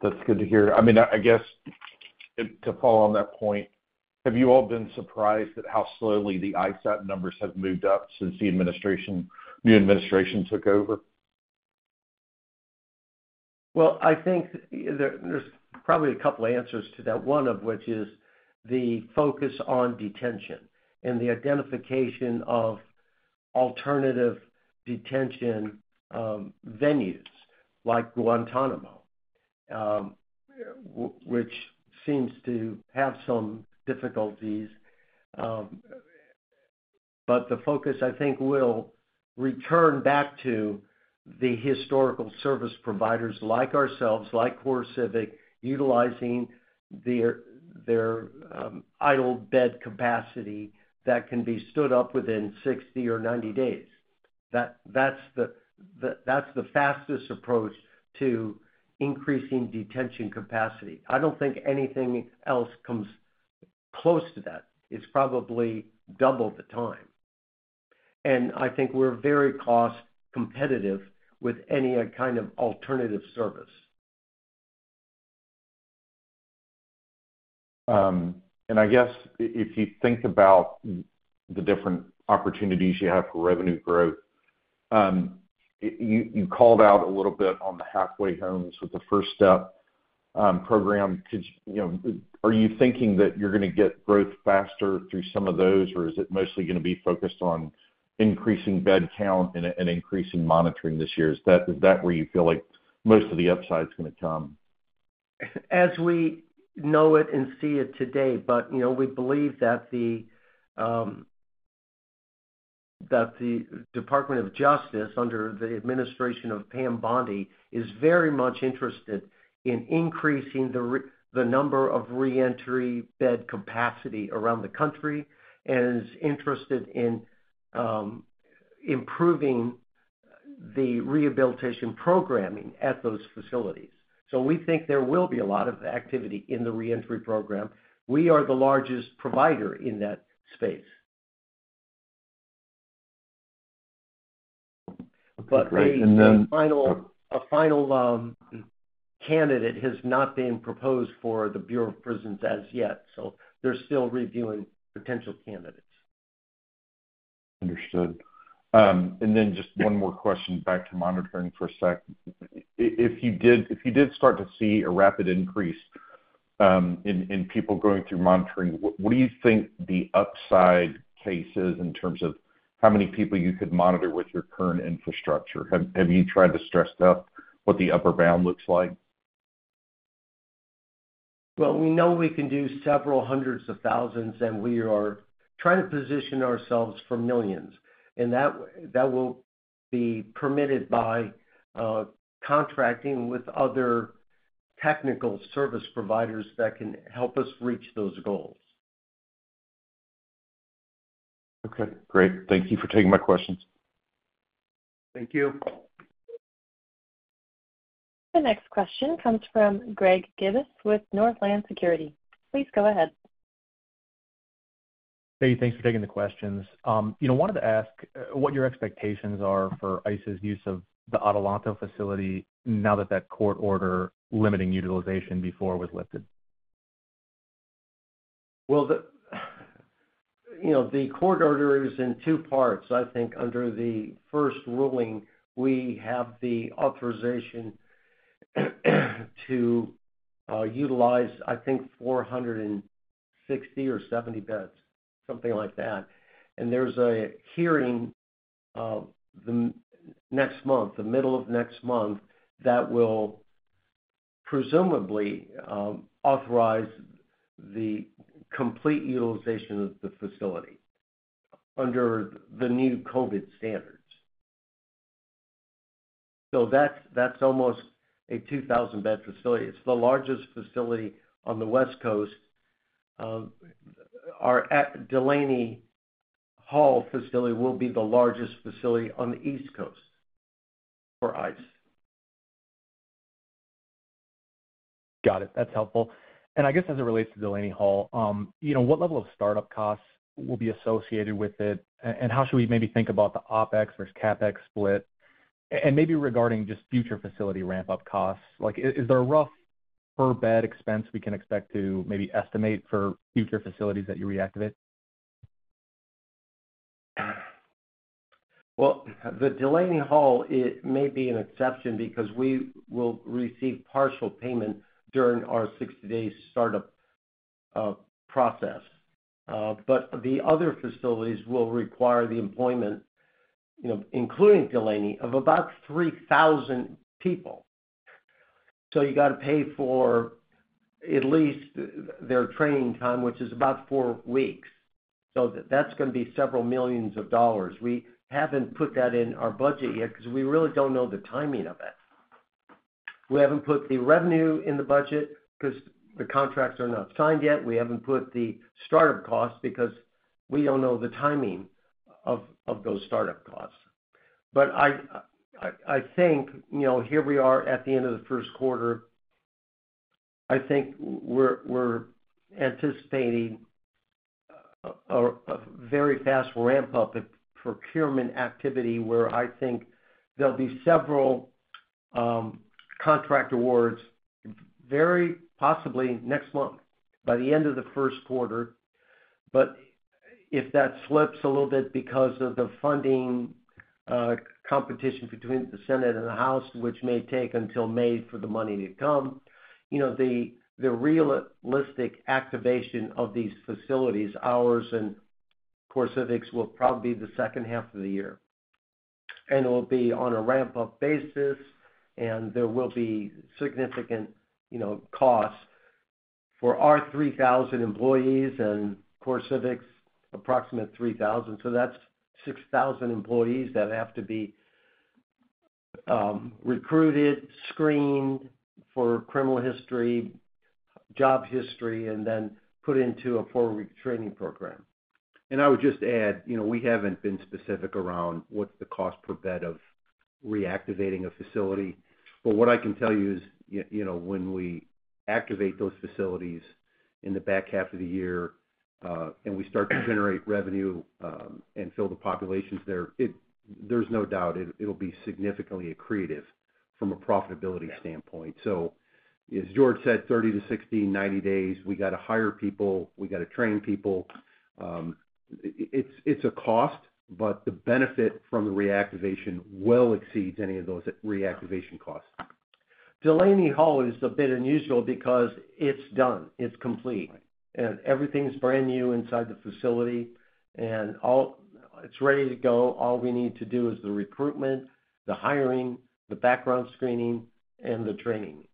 That's good to hear. I mean, I guess to follow on that point, have you all been surprised at how slowly the ISAP numbers have moved up since the new administration took over? I think there's probably a couple of answers to that, one of which is the focus on detention and the identification of alternative detention venues like Guantanamo, which seems to have some difficulties. The focus, I think, will return back to the historical service providers like ourselves, like CoreCivic, utilizing their idle bed capacity that can be stood up within 60 or 90 days. That's the fastest approach to increasing detention capacity. I don't think anything else comes close to that. It's probably double the time. I think we're very cost competitive with any kind of alternative service. I guess if you think about the different opportunities you have for revenue growth, you called out a little bit on the halfway homes with the First Step program. Are you thinking that you're going to get growth faster through some of those, or is it mostly going to be focused on increasing bed count and increasing monitoring this year? Is that where you feel like most of the upside is going to come? As we know it and see it today, but we believe that the Department of Justice under the administration of Pam Bondi is very much interested in increasing the number of reentry bed capacity around the country and is interested in improving the rehabilitation programming at those facilities. So we think there will be a lot of activity in the reentry program. We are the largest provider in that space. Okay. Great. And then. But a final candidate has not been proposed for the Bureau of Prisons as yet. So they're still reviewing potential candidates. Understood. And then just one more question back to monitoring for a sec. If you did start to see a rapid increase in people going through monitoring, what do you think the upside case is in terms of how many people you could monitor with your current infrastructure? Have you tried to stress out what the upper bound looks like? We know we can do several hundreds of thousands, and we are trying to position ourselves for millions. That will be permitted by contracting with other technical service providers that can help us reach those goals. Okay. Great. Thank you for taking my questions. Thank you. The next question comes from Greg Gibas with Northland Securities. Please go ahead. Hey, thanks for taking the questions. I wanted to ask what your expectations are for ICE's use of the Adelanto facility now that that court order limiting utilization before was lifted? The court order is in two parts. I think under the first ruling, we have the authorization to utilize, I think, 460 or 70 beds, something like that. There's a hearing next month, the middle of next month, that will presumably authorize the complete utilization of the facility under the new COVID standards. That's almost a 2,000-bed facility. It's the largest facility on the West Coast. Our Delaney Hall facility will be the largest facility on the East Coast for ICE. Got it. That's helpful. And I guess as it relates to Delaney Hall, what level of startup costs will be associated with it? And how should we maybe think about the OpEx versus CapEx split? And maybe regarding just future facility ramp-up costs, is there a rough per-bed expense we can expect to maybe estimate for future facilities that you reactivate? The Delaney Hall, it may be an exception because we will receive partial payment during our 60-day startup process. But the other facilities will require the employment, including Delaney, of about 3,000 people. So you got to pay for at least their training time, which is about four weeks. So that's going to be several millions of dollars. We haven't put that in our budget yet because we really don't know the timing of it. We haven't put the revenue in the budget because the contracts are not signed yet. We haven't put the startup costs because we don't know the timing of those startup costs. But I think here we are at the end of the first quarter. I think we're anticipating a very fast ramp-up of procurement activity where I think there'll be several contract awards very possibly next month by the end of the first quarter. If that slips a little bit because of the funding competition between the Senate and the House, which may take until May for the money to come, the realistic activation of these facilities, ours and CoreCivic, will probably be the second half of the year. It will be on a ramp-up basis, and there will be significant costs for our 3,000 employees and CoreCivic's approximate 3,000. That's 6,000 employees that have to be recruited, screened for criminal history, job history, and then put into a four-week training program. I would just add we haven't been specific around what's the cost per bed of reactivating a facility. But what I can tell you is when we activate those facilities in the back half of the year and we start to generate revenue and fill the populations there, there's no doubt it'll be significantly accretive from a profitability standpoint. So as George said, 30-60, 90 days, we got to hire people. We got to train people. It's a cost, but the benefit from the reactivation well exceeds any of those reactivation costs. Delaney Hall is a bit unusual because it's done. It's complete. And everything's brand new inside the facility. And it's ready to go. All we need to do is the recruitment, the hiring, the background screening, and the training.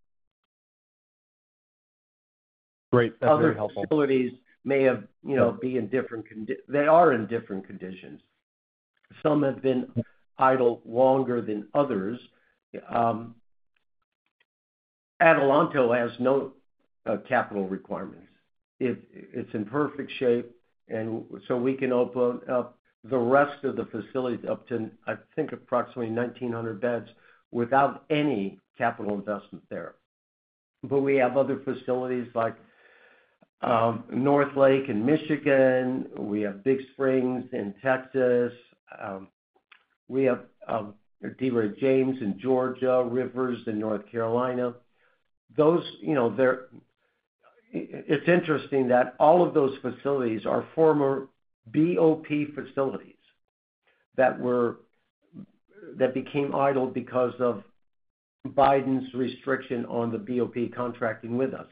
Great. That's very helpful. Other facilities may be in different conditions. Some have been idle longer than others. Adelanto has no capital requirements. It's in perfect shape. And so we can open up the rest of the facility up to, I think, approximately 1,900 beds without any capital investment there. But we have other facilities like Northlake in Michigan. We have Big Spring in Texas. We have D. Ray James in Georgia, Rivers in North Carolina. It's interesting that all of those facilities are former BOP facilities that became idle because of Biden's restriction on the BOP contracting with us.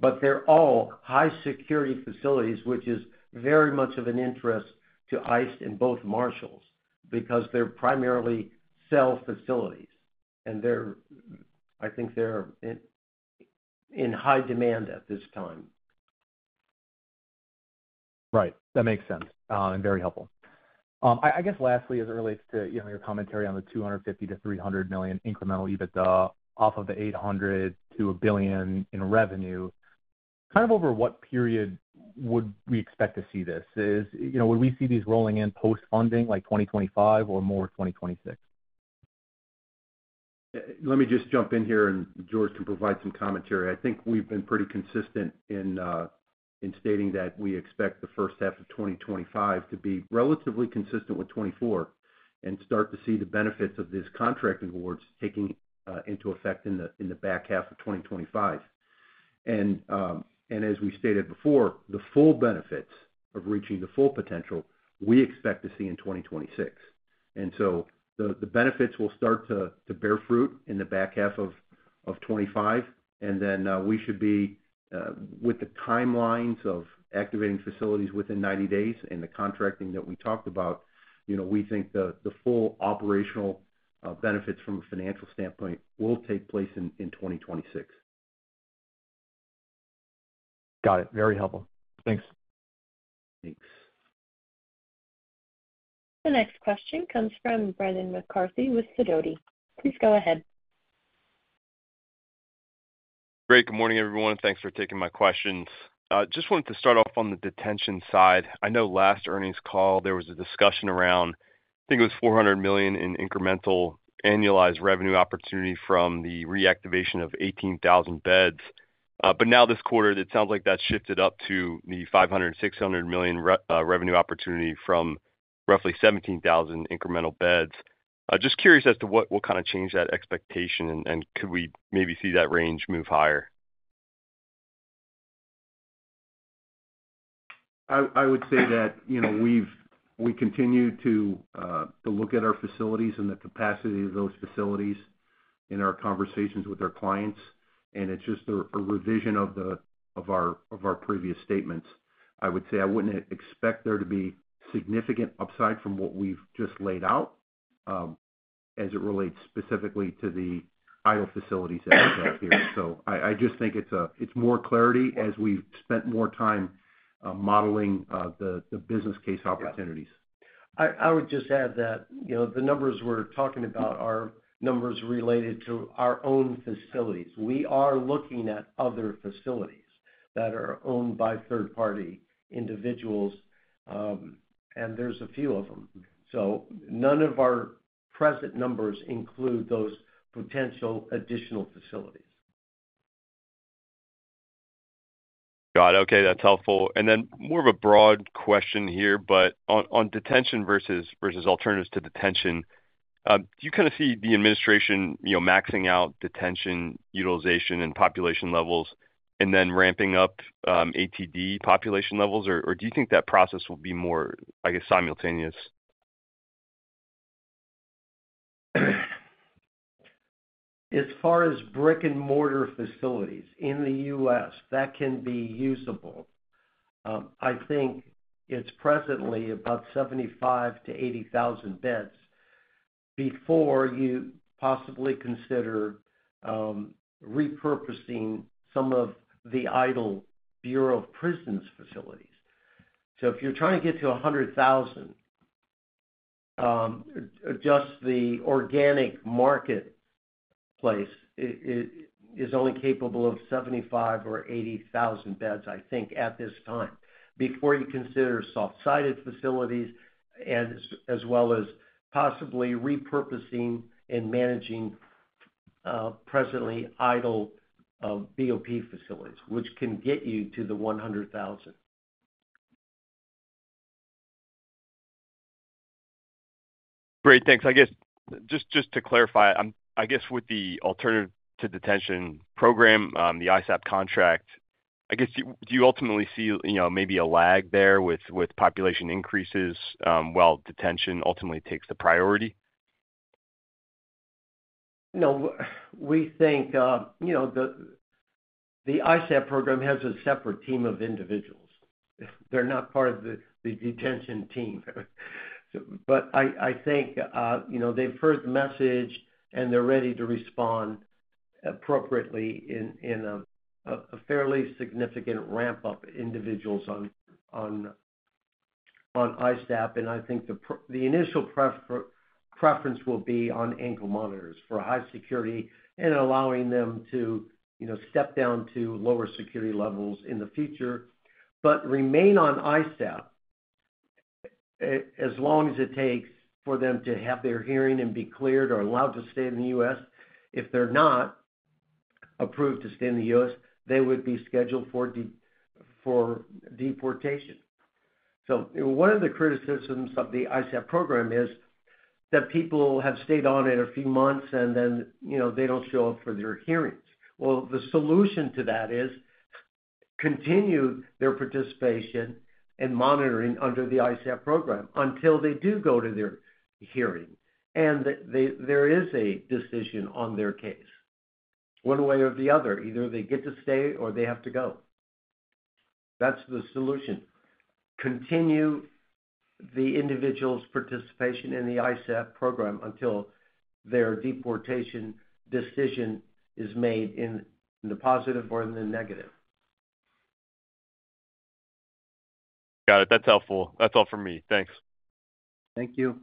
But they're all high-security facilities, which is very much of an interest to ICE and the U.S. Marshals because they're primarily cell facilities. And I think they're in high demand at this time. Right. That makes sense and very helpful. I guess lastly, as it relates to your commentary on the $250 million-300 million incremental EBITDA off of the $800 million-$1 billion in revenue, kind of over what period would we expect to see this? Would we see these rolling in post-funding like 2025 or more 2026? Let me just jump in here and George can provide some commentary. I think we've been pretty consistent in stating that we expect the first half of 2025 to be relatively consistent with 2024 and start to see the benefits of these contracting awards taking into effect in the back half of 2025, and as we stated before, the full benefits of reaching the full potential we expect to see in 2026, and so the benefits will start to bear fruit in the back half of 2025. And then we should be with the timelines of activating facilities within 90 days and the contracting that we talked about, we think the full operational benefits from a financial standpoint will take place in 2026. Got it. Very helpful. Thanks. Thanks. The next question comes from Brendan McCarthy with Sidoti. Please go ahead. Great. Good morning, everyone. Thanks for taking my questions. Just wanted to start off on the detention side. I know last earnings call, there was a discussion around, I think it was $400 million in incremental annualized revenue opportunity from the reactivation of 18,000 beds. But now this quarter, it sounds like that shifted up to the $500 million-$600 million revenue opportunity from roughly 17,000 incremental beds. Just curious as to what kind of changed that expectation and could we maybe see that range move higher? I would say that we continue to look at our facilities and the capacity of those facilities in our conversations with our clients. And it's just a revision of our previous statements. I would say I wouldn't expect there to be significant upside from what we've just laid out as it relates specifically to the idle facilities that we have here. So I just think it's more clarity as we've spent more time modeling the business case opportunities. I would just add that the numbers we're talking about are numbers related to our own facilities. We are looking at other facilities that are owned by third-party individuals, and there's a few of them. So none of our present numbers include those potential additional facilities. Got it. Okay. That's helpful. And then more of a broad question here, but on detention versus alternatives to detention, do you kind of see the administration maxing out detention utilization and population levels and then ramping up ATD population levels? Or do you think that process will be more, I guess, simultaneous? As far as brick-and-mortar facilities in the U.S. that can be usable, I think it's presently about 75,000-80,000 beds before you possibly consider repurposing some of the idle Bureau of Prisons facilities. So if you're trying to get to 100,000, just the organic marketplace is only capable of 75,000 or 80,000 beds, I think, at this time. Before you consider soft-sided facilities as well as possibly repurposing and managing presently idle BOP facilities, which can get you to the 100,000. Great. Thanks. I guess just to clarify, I guess with the alternative to detention program, the ISAP contract, I guess do you ultimately see maybe a lag there with population increases while detention ultimately takes the priority? No. We think the ISAP program has a separate team of individuals. They're not part of the detention team. But I think they've heard the message, and they're ready to respond appropriately in a fairly significant ramp-up individuals on ISAP. And I think the initial preference will be on ankle monitors for high security and allowing them to step down to lower security levels in the future. But remain on ISAP as long as it takes for them to have their hearing and be cleared or allowed to stay in the U.S. If they're not approved to stay in the U.S., they would be scheduled for deportation. So one of the criticisms of the ISAP program is that people have stayed on it a few months, and then they don't show up for their hearings. The solution to that is continue their participation and monitoring under the ISAP program until they do go to their hearing. There is a decision on their case. One way or the other, either they get to stay or they have to go. That's the solution. Continue the individual's participation in the ISAP program until their deportation decision is made in the positive or in the negative. Got it. That's helpful. That's all for me. Thanks. Thank you.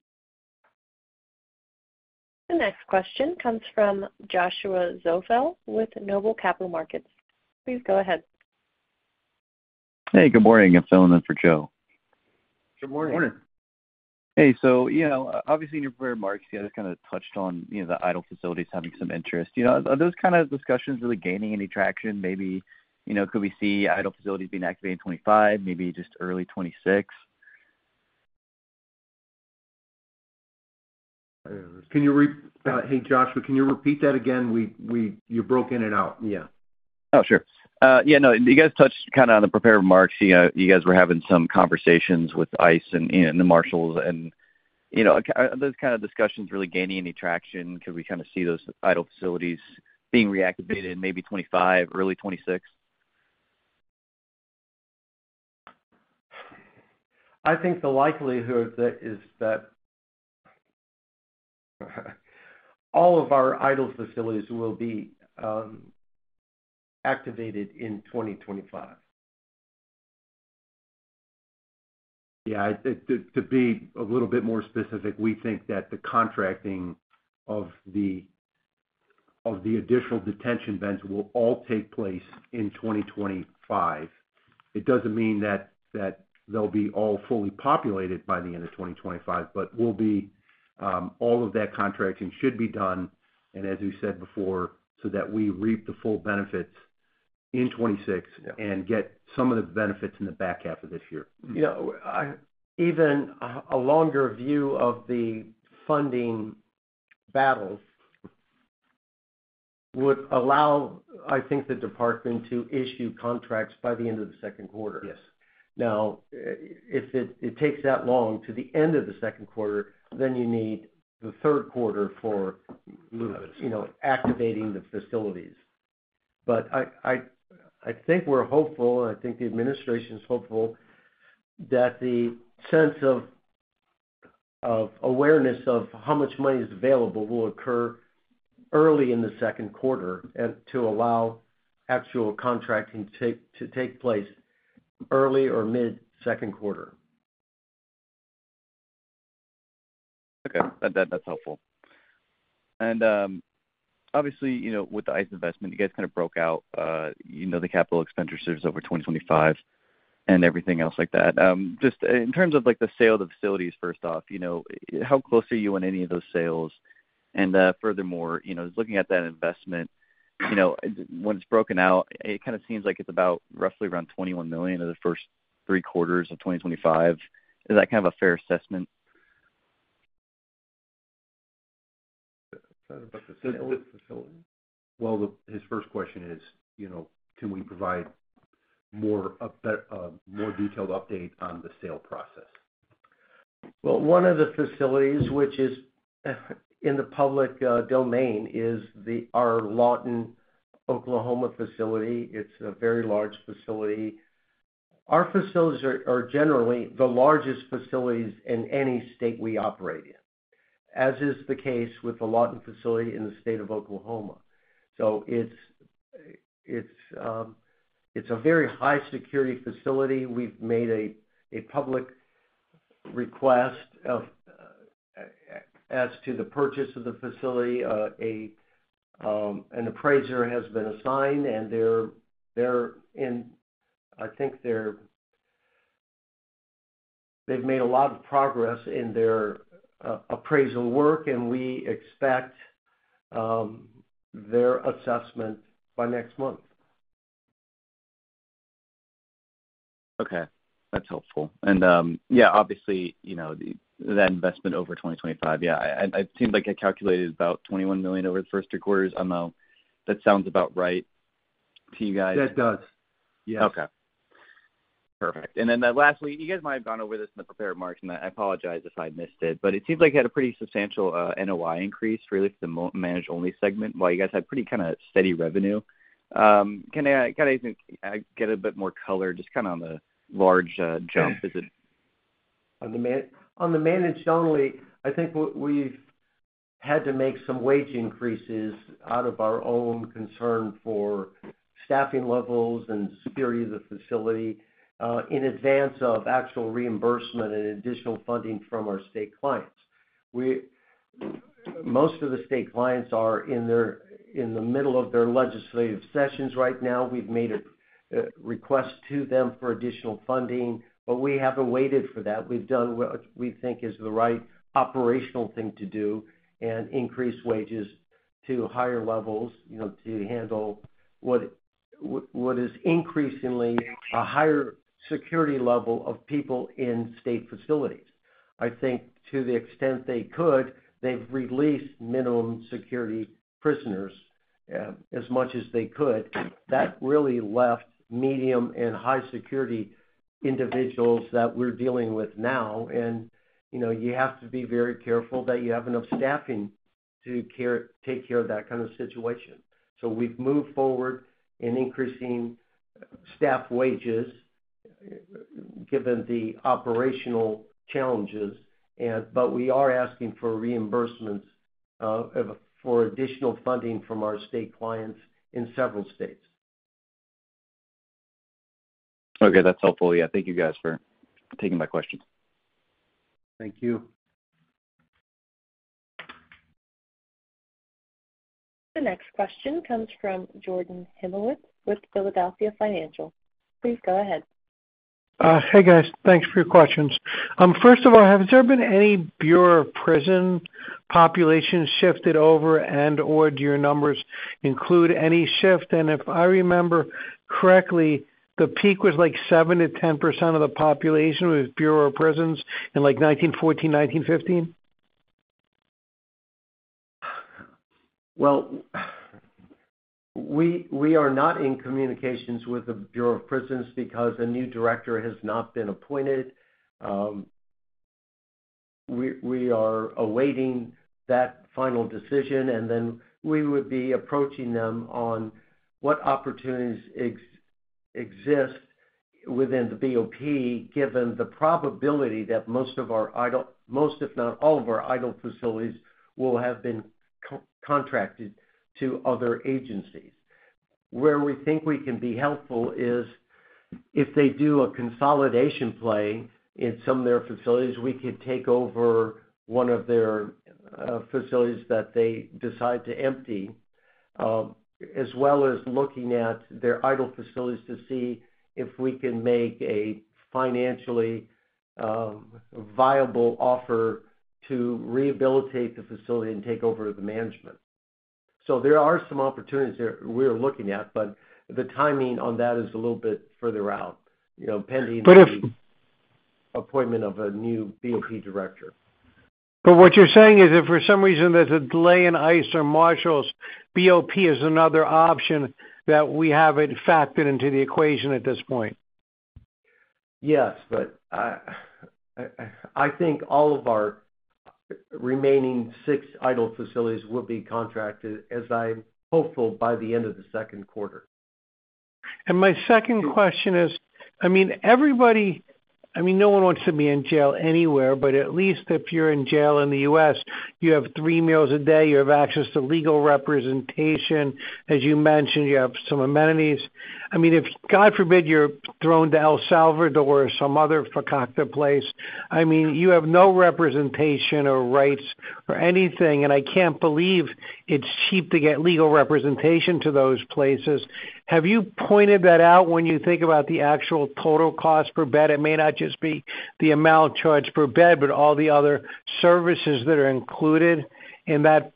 The next question comes from Joshua Zoepfel with Noble Capital Markets. Please go ahead. Hey, good morning. I'm filling in for Joe. Good morning. Hey. So obviously, in your prior remarks, you had kind of touched on the idle facilities having some interest. Are those kind of discussions really gaining any traction? Maybe could we see idle facilities being activated in 2025, maybe just early 2026? Can you repeat that? Hey, Joshua, can you repeat that again? You broke in and out. Yeah. Oh, sure. Yeah. No, you guys touched kind of on the prepared remarks. You guys were having some conversations with ICE and the Marshals. And are those kind of discussions really gaining any traction? Could we kind of see those idle facilities being reactivated in maybe 2025, early 2026? I think the likelihood is that all of our idle facilities will be activated in 2025. Yeah. To be a little bit more specific, we think that the contracting of the additional detention beds will all take place in 2025. It doesn't mean that they'll be all fully populated by the end of 2025, but all of that contracting should be done. And as we said before, so that we reap the full benefits in 2026 and get some of the benefits in the back half of this year. Even a longer view of the funding battles would allow, I think, the department to issue contracts by the end of the second quarter. Now, if it takes that long to the end of the second quarter, then you need the third quarter for activating the facilities, but I think we're hopeful, and I think the administration is hopeful that the sense of awareness of how much money is available will occur early in the second quarter to allow actual contracting to take place early or mid-second quarter. Okay. That's helpful. And obviously, with the ICE investment, you guys kind of broke out the capital expenditures over 2025 and everything else like that. Just in terms of the sale of the facilities, first off, how close are you on any of those sales? And furthermore, looking at that investment, when it's broken out, it kind of seems like it's about roughly around $21 million in the first three quarters of 2025. Is that kind of a fair assessment? So what facility? His first question is, can we provide a more detailed update on the sale process? One of the facilities, which is in the public domain, is our Lawton, Oklahoma facility. It's a very large facility. Our facilities are generally the largest facilities in any state we operate in, as is the case with the Lawton facility in the state of Oklahoma. So it's a very high-security facility. We've made a public request as to the purchase of the facility. An appraiser has been assigned, and I think they've made a lot of progress in their appraisal work, and we expect their assessment by next month. Okay. That's helpful. And yeah, obviously, that investment over 2025, yeah, it seems like it calculated about $21 million over the first three quarters. I don't know. That sounds about right to you guys? That does. Yes. Okay. Perfect. And then lastly, you guys might have gone over this in the prepared remarks, and I apologize if I missed it, but it seems like you had a pretty substantial NOI increase really for the managed-only segment while you guys had pretty kind of steady revenue. Can I get a bit more color just kind of on the large jump? On the managed-only, I think we've had to make some wage increases out of our own concern for staffing levels and security of the facility in advance of actual reimbursement and additional funding from our state clients. Most of the state clients are in the middle of their legislative sessions right now. We've made a request to them for additional funding, but we haven't waited for that. We've done what we think is the right operational thing to do and increase wages to higher levels to handle what is increasingly a higher security level of people in state facilities. I think to the extent they could, they've released minimum security prisoners as much as they could. That really left medium and high-security individuals that we're dealing with now. And you have to be very careful that you have enough staffing to take care of that kind of situation. So we've moved forward in increasing staff wages given the operational challenges, but we are asking for reimbursements for additional funding from our state clients in several states. Okay. That's helpful. Yeah. Thank you, guys, for taking my questions. Thank you. The next question comes from Jordan Hymowitz with Philadelphia Financial. Please go ahead. Hey, guys. Thanks for your questions. First of all, has there been any Bureau of Prisons population shifted over and/or do your numbers include any shift? And if I remember correctly, the peak was like 7%-10% of the population with Bureau of Prisons in like 1914, 1915? We are not in communications with the Bureau of Prisons because a new director has not been appointed. We are awaiting that final decision, and then we would be approaching them on what opportunities exist within the BOP given the probability that most of our idle, most, if not all of our idle facilities will have been contracted to other agencies. Where we think we can be helpful is if they do a consolidation play in some of their facilities, we could take over one of their facilities that they decide to empty, as well as looking at their idle facilities to see if we can make a financially viable offer to rehabilitate the facility and take over the management. So there are some opportunities that we're looking at, but the timing on that is a little bit further out, pending appointment of a new BOP director. But what you're saying is if for some reason there's a delay in ICE or Marshals, BOP is another option that we haven't factored into the equation at this point? Yes, but I think all of our remaining six idle facilities will be contracted, as I'm hopeful, by the end of the second quarter. My second question is, I mean, everybody, I mean, no one wants to be in jail anywhere, but at least if you're in jail in the US, you have three meals a day. You have access to legal representation. As you mentioned, you have some amenities. I mean, if God forbid you're thrown to El Salvador or some other fuck-up place, I mean, you have no representation or rights or anything, and I can't believe it's cheap to get legal representation to those places. Have you pointed that out when you think about the actual total cost per bed? It may not just be the amount charged per bed, but all the other services that are included in that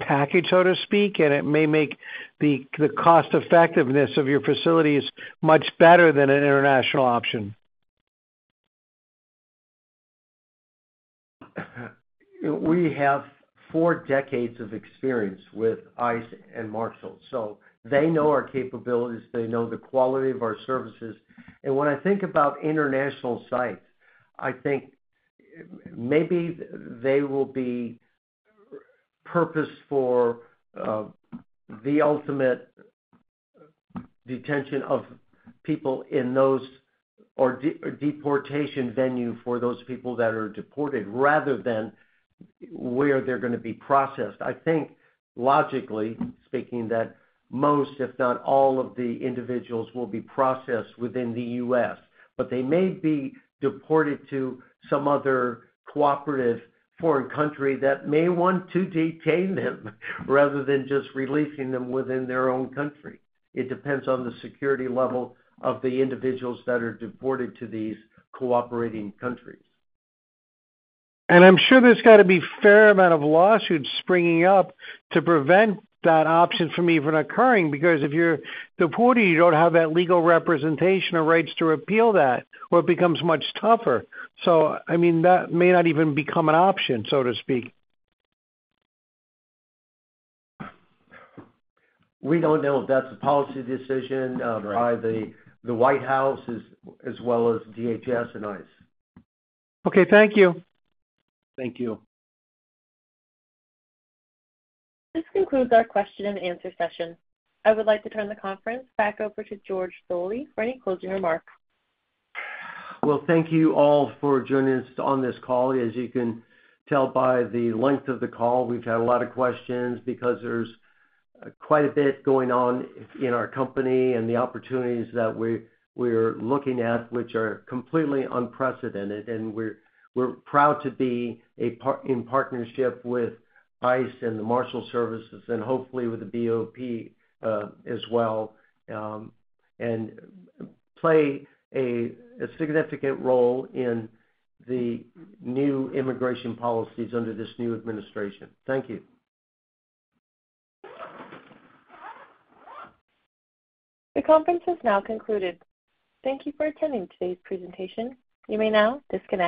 package, so to speak, and it may make the cost-effectiveness of your facilities much better than an international option? We have four decades of experience with ICE and U.S. Marshals. So they know our capabilities. They know the quality of our services. And when I think about international sites, I think maybe they will be purposed for the ultimate detention of people in those or deportation venue for those people that are deported rather than where they're going to be processed. I think, logically speaking, that most, if not all, of the individuals will be processed within the U.S., but they may be deported to some other cooperative foreign country that may want to detain them rather than just releasing them within their own country. It depends on the security level of the individuals that are deported to these cooperating countries. I'm sure there's got to be a fair amount of lawsuits springing up to prevent that option from even occurring because if you're deported, you don't have that legal representation or rights to repeal that, or it becomes much tougher. I mean, that may not even become an option, so to speak. We don't know if that's a policy decision by the White House as well as DHS and ICE. Okay. Thank you. Thank you. This concludes our question-and-answer session. I would like to turn the conference back over to George Zoley for any closing remarks. Thank you all for joining us on this call. As you can tell by the length of the call, we've had a lot of questions because there's quite a bit going on in our company and the opportunities that we're looking at, which are completely unprecedented, and we're proud to be in partnership with ICE and the Marshals Service and hopefully with the BOP as well and play a significant role in the new immigration policies under this new administration. Thank you. The conference has now concluded. Thank you for attending today's presentation. You may now disconnect.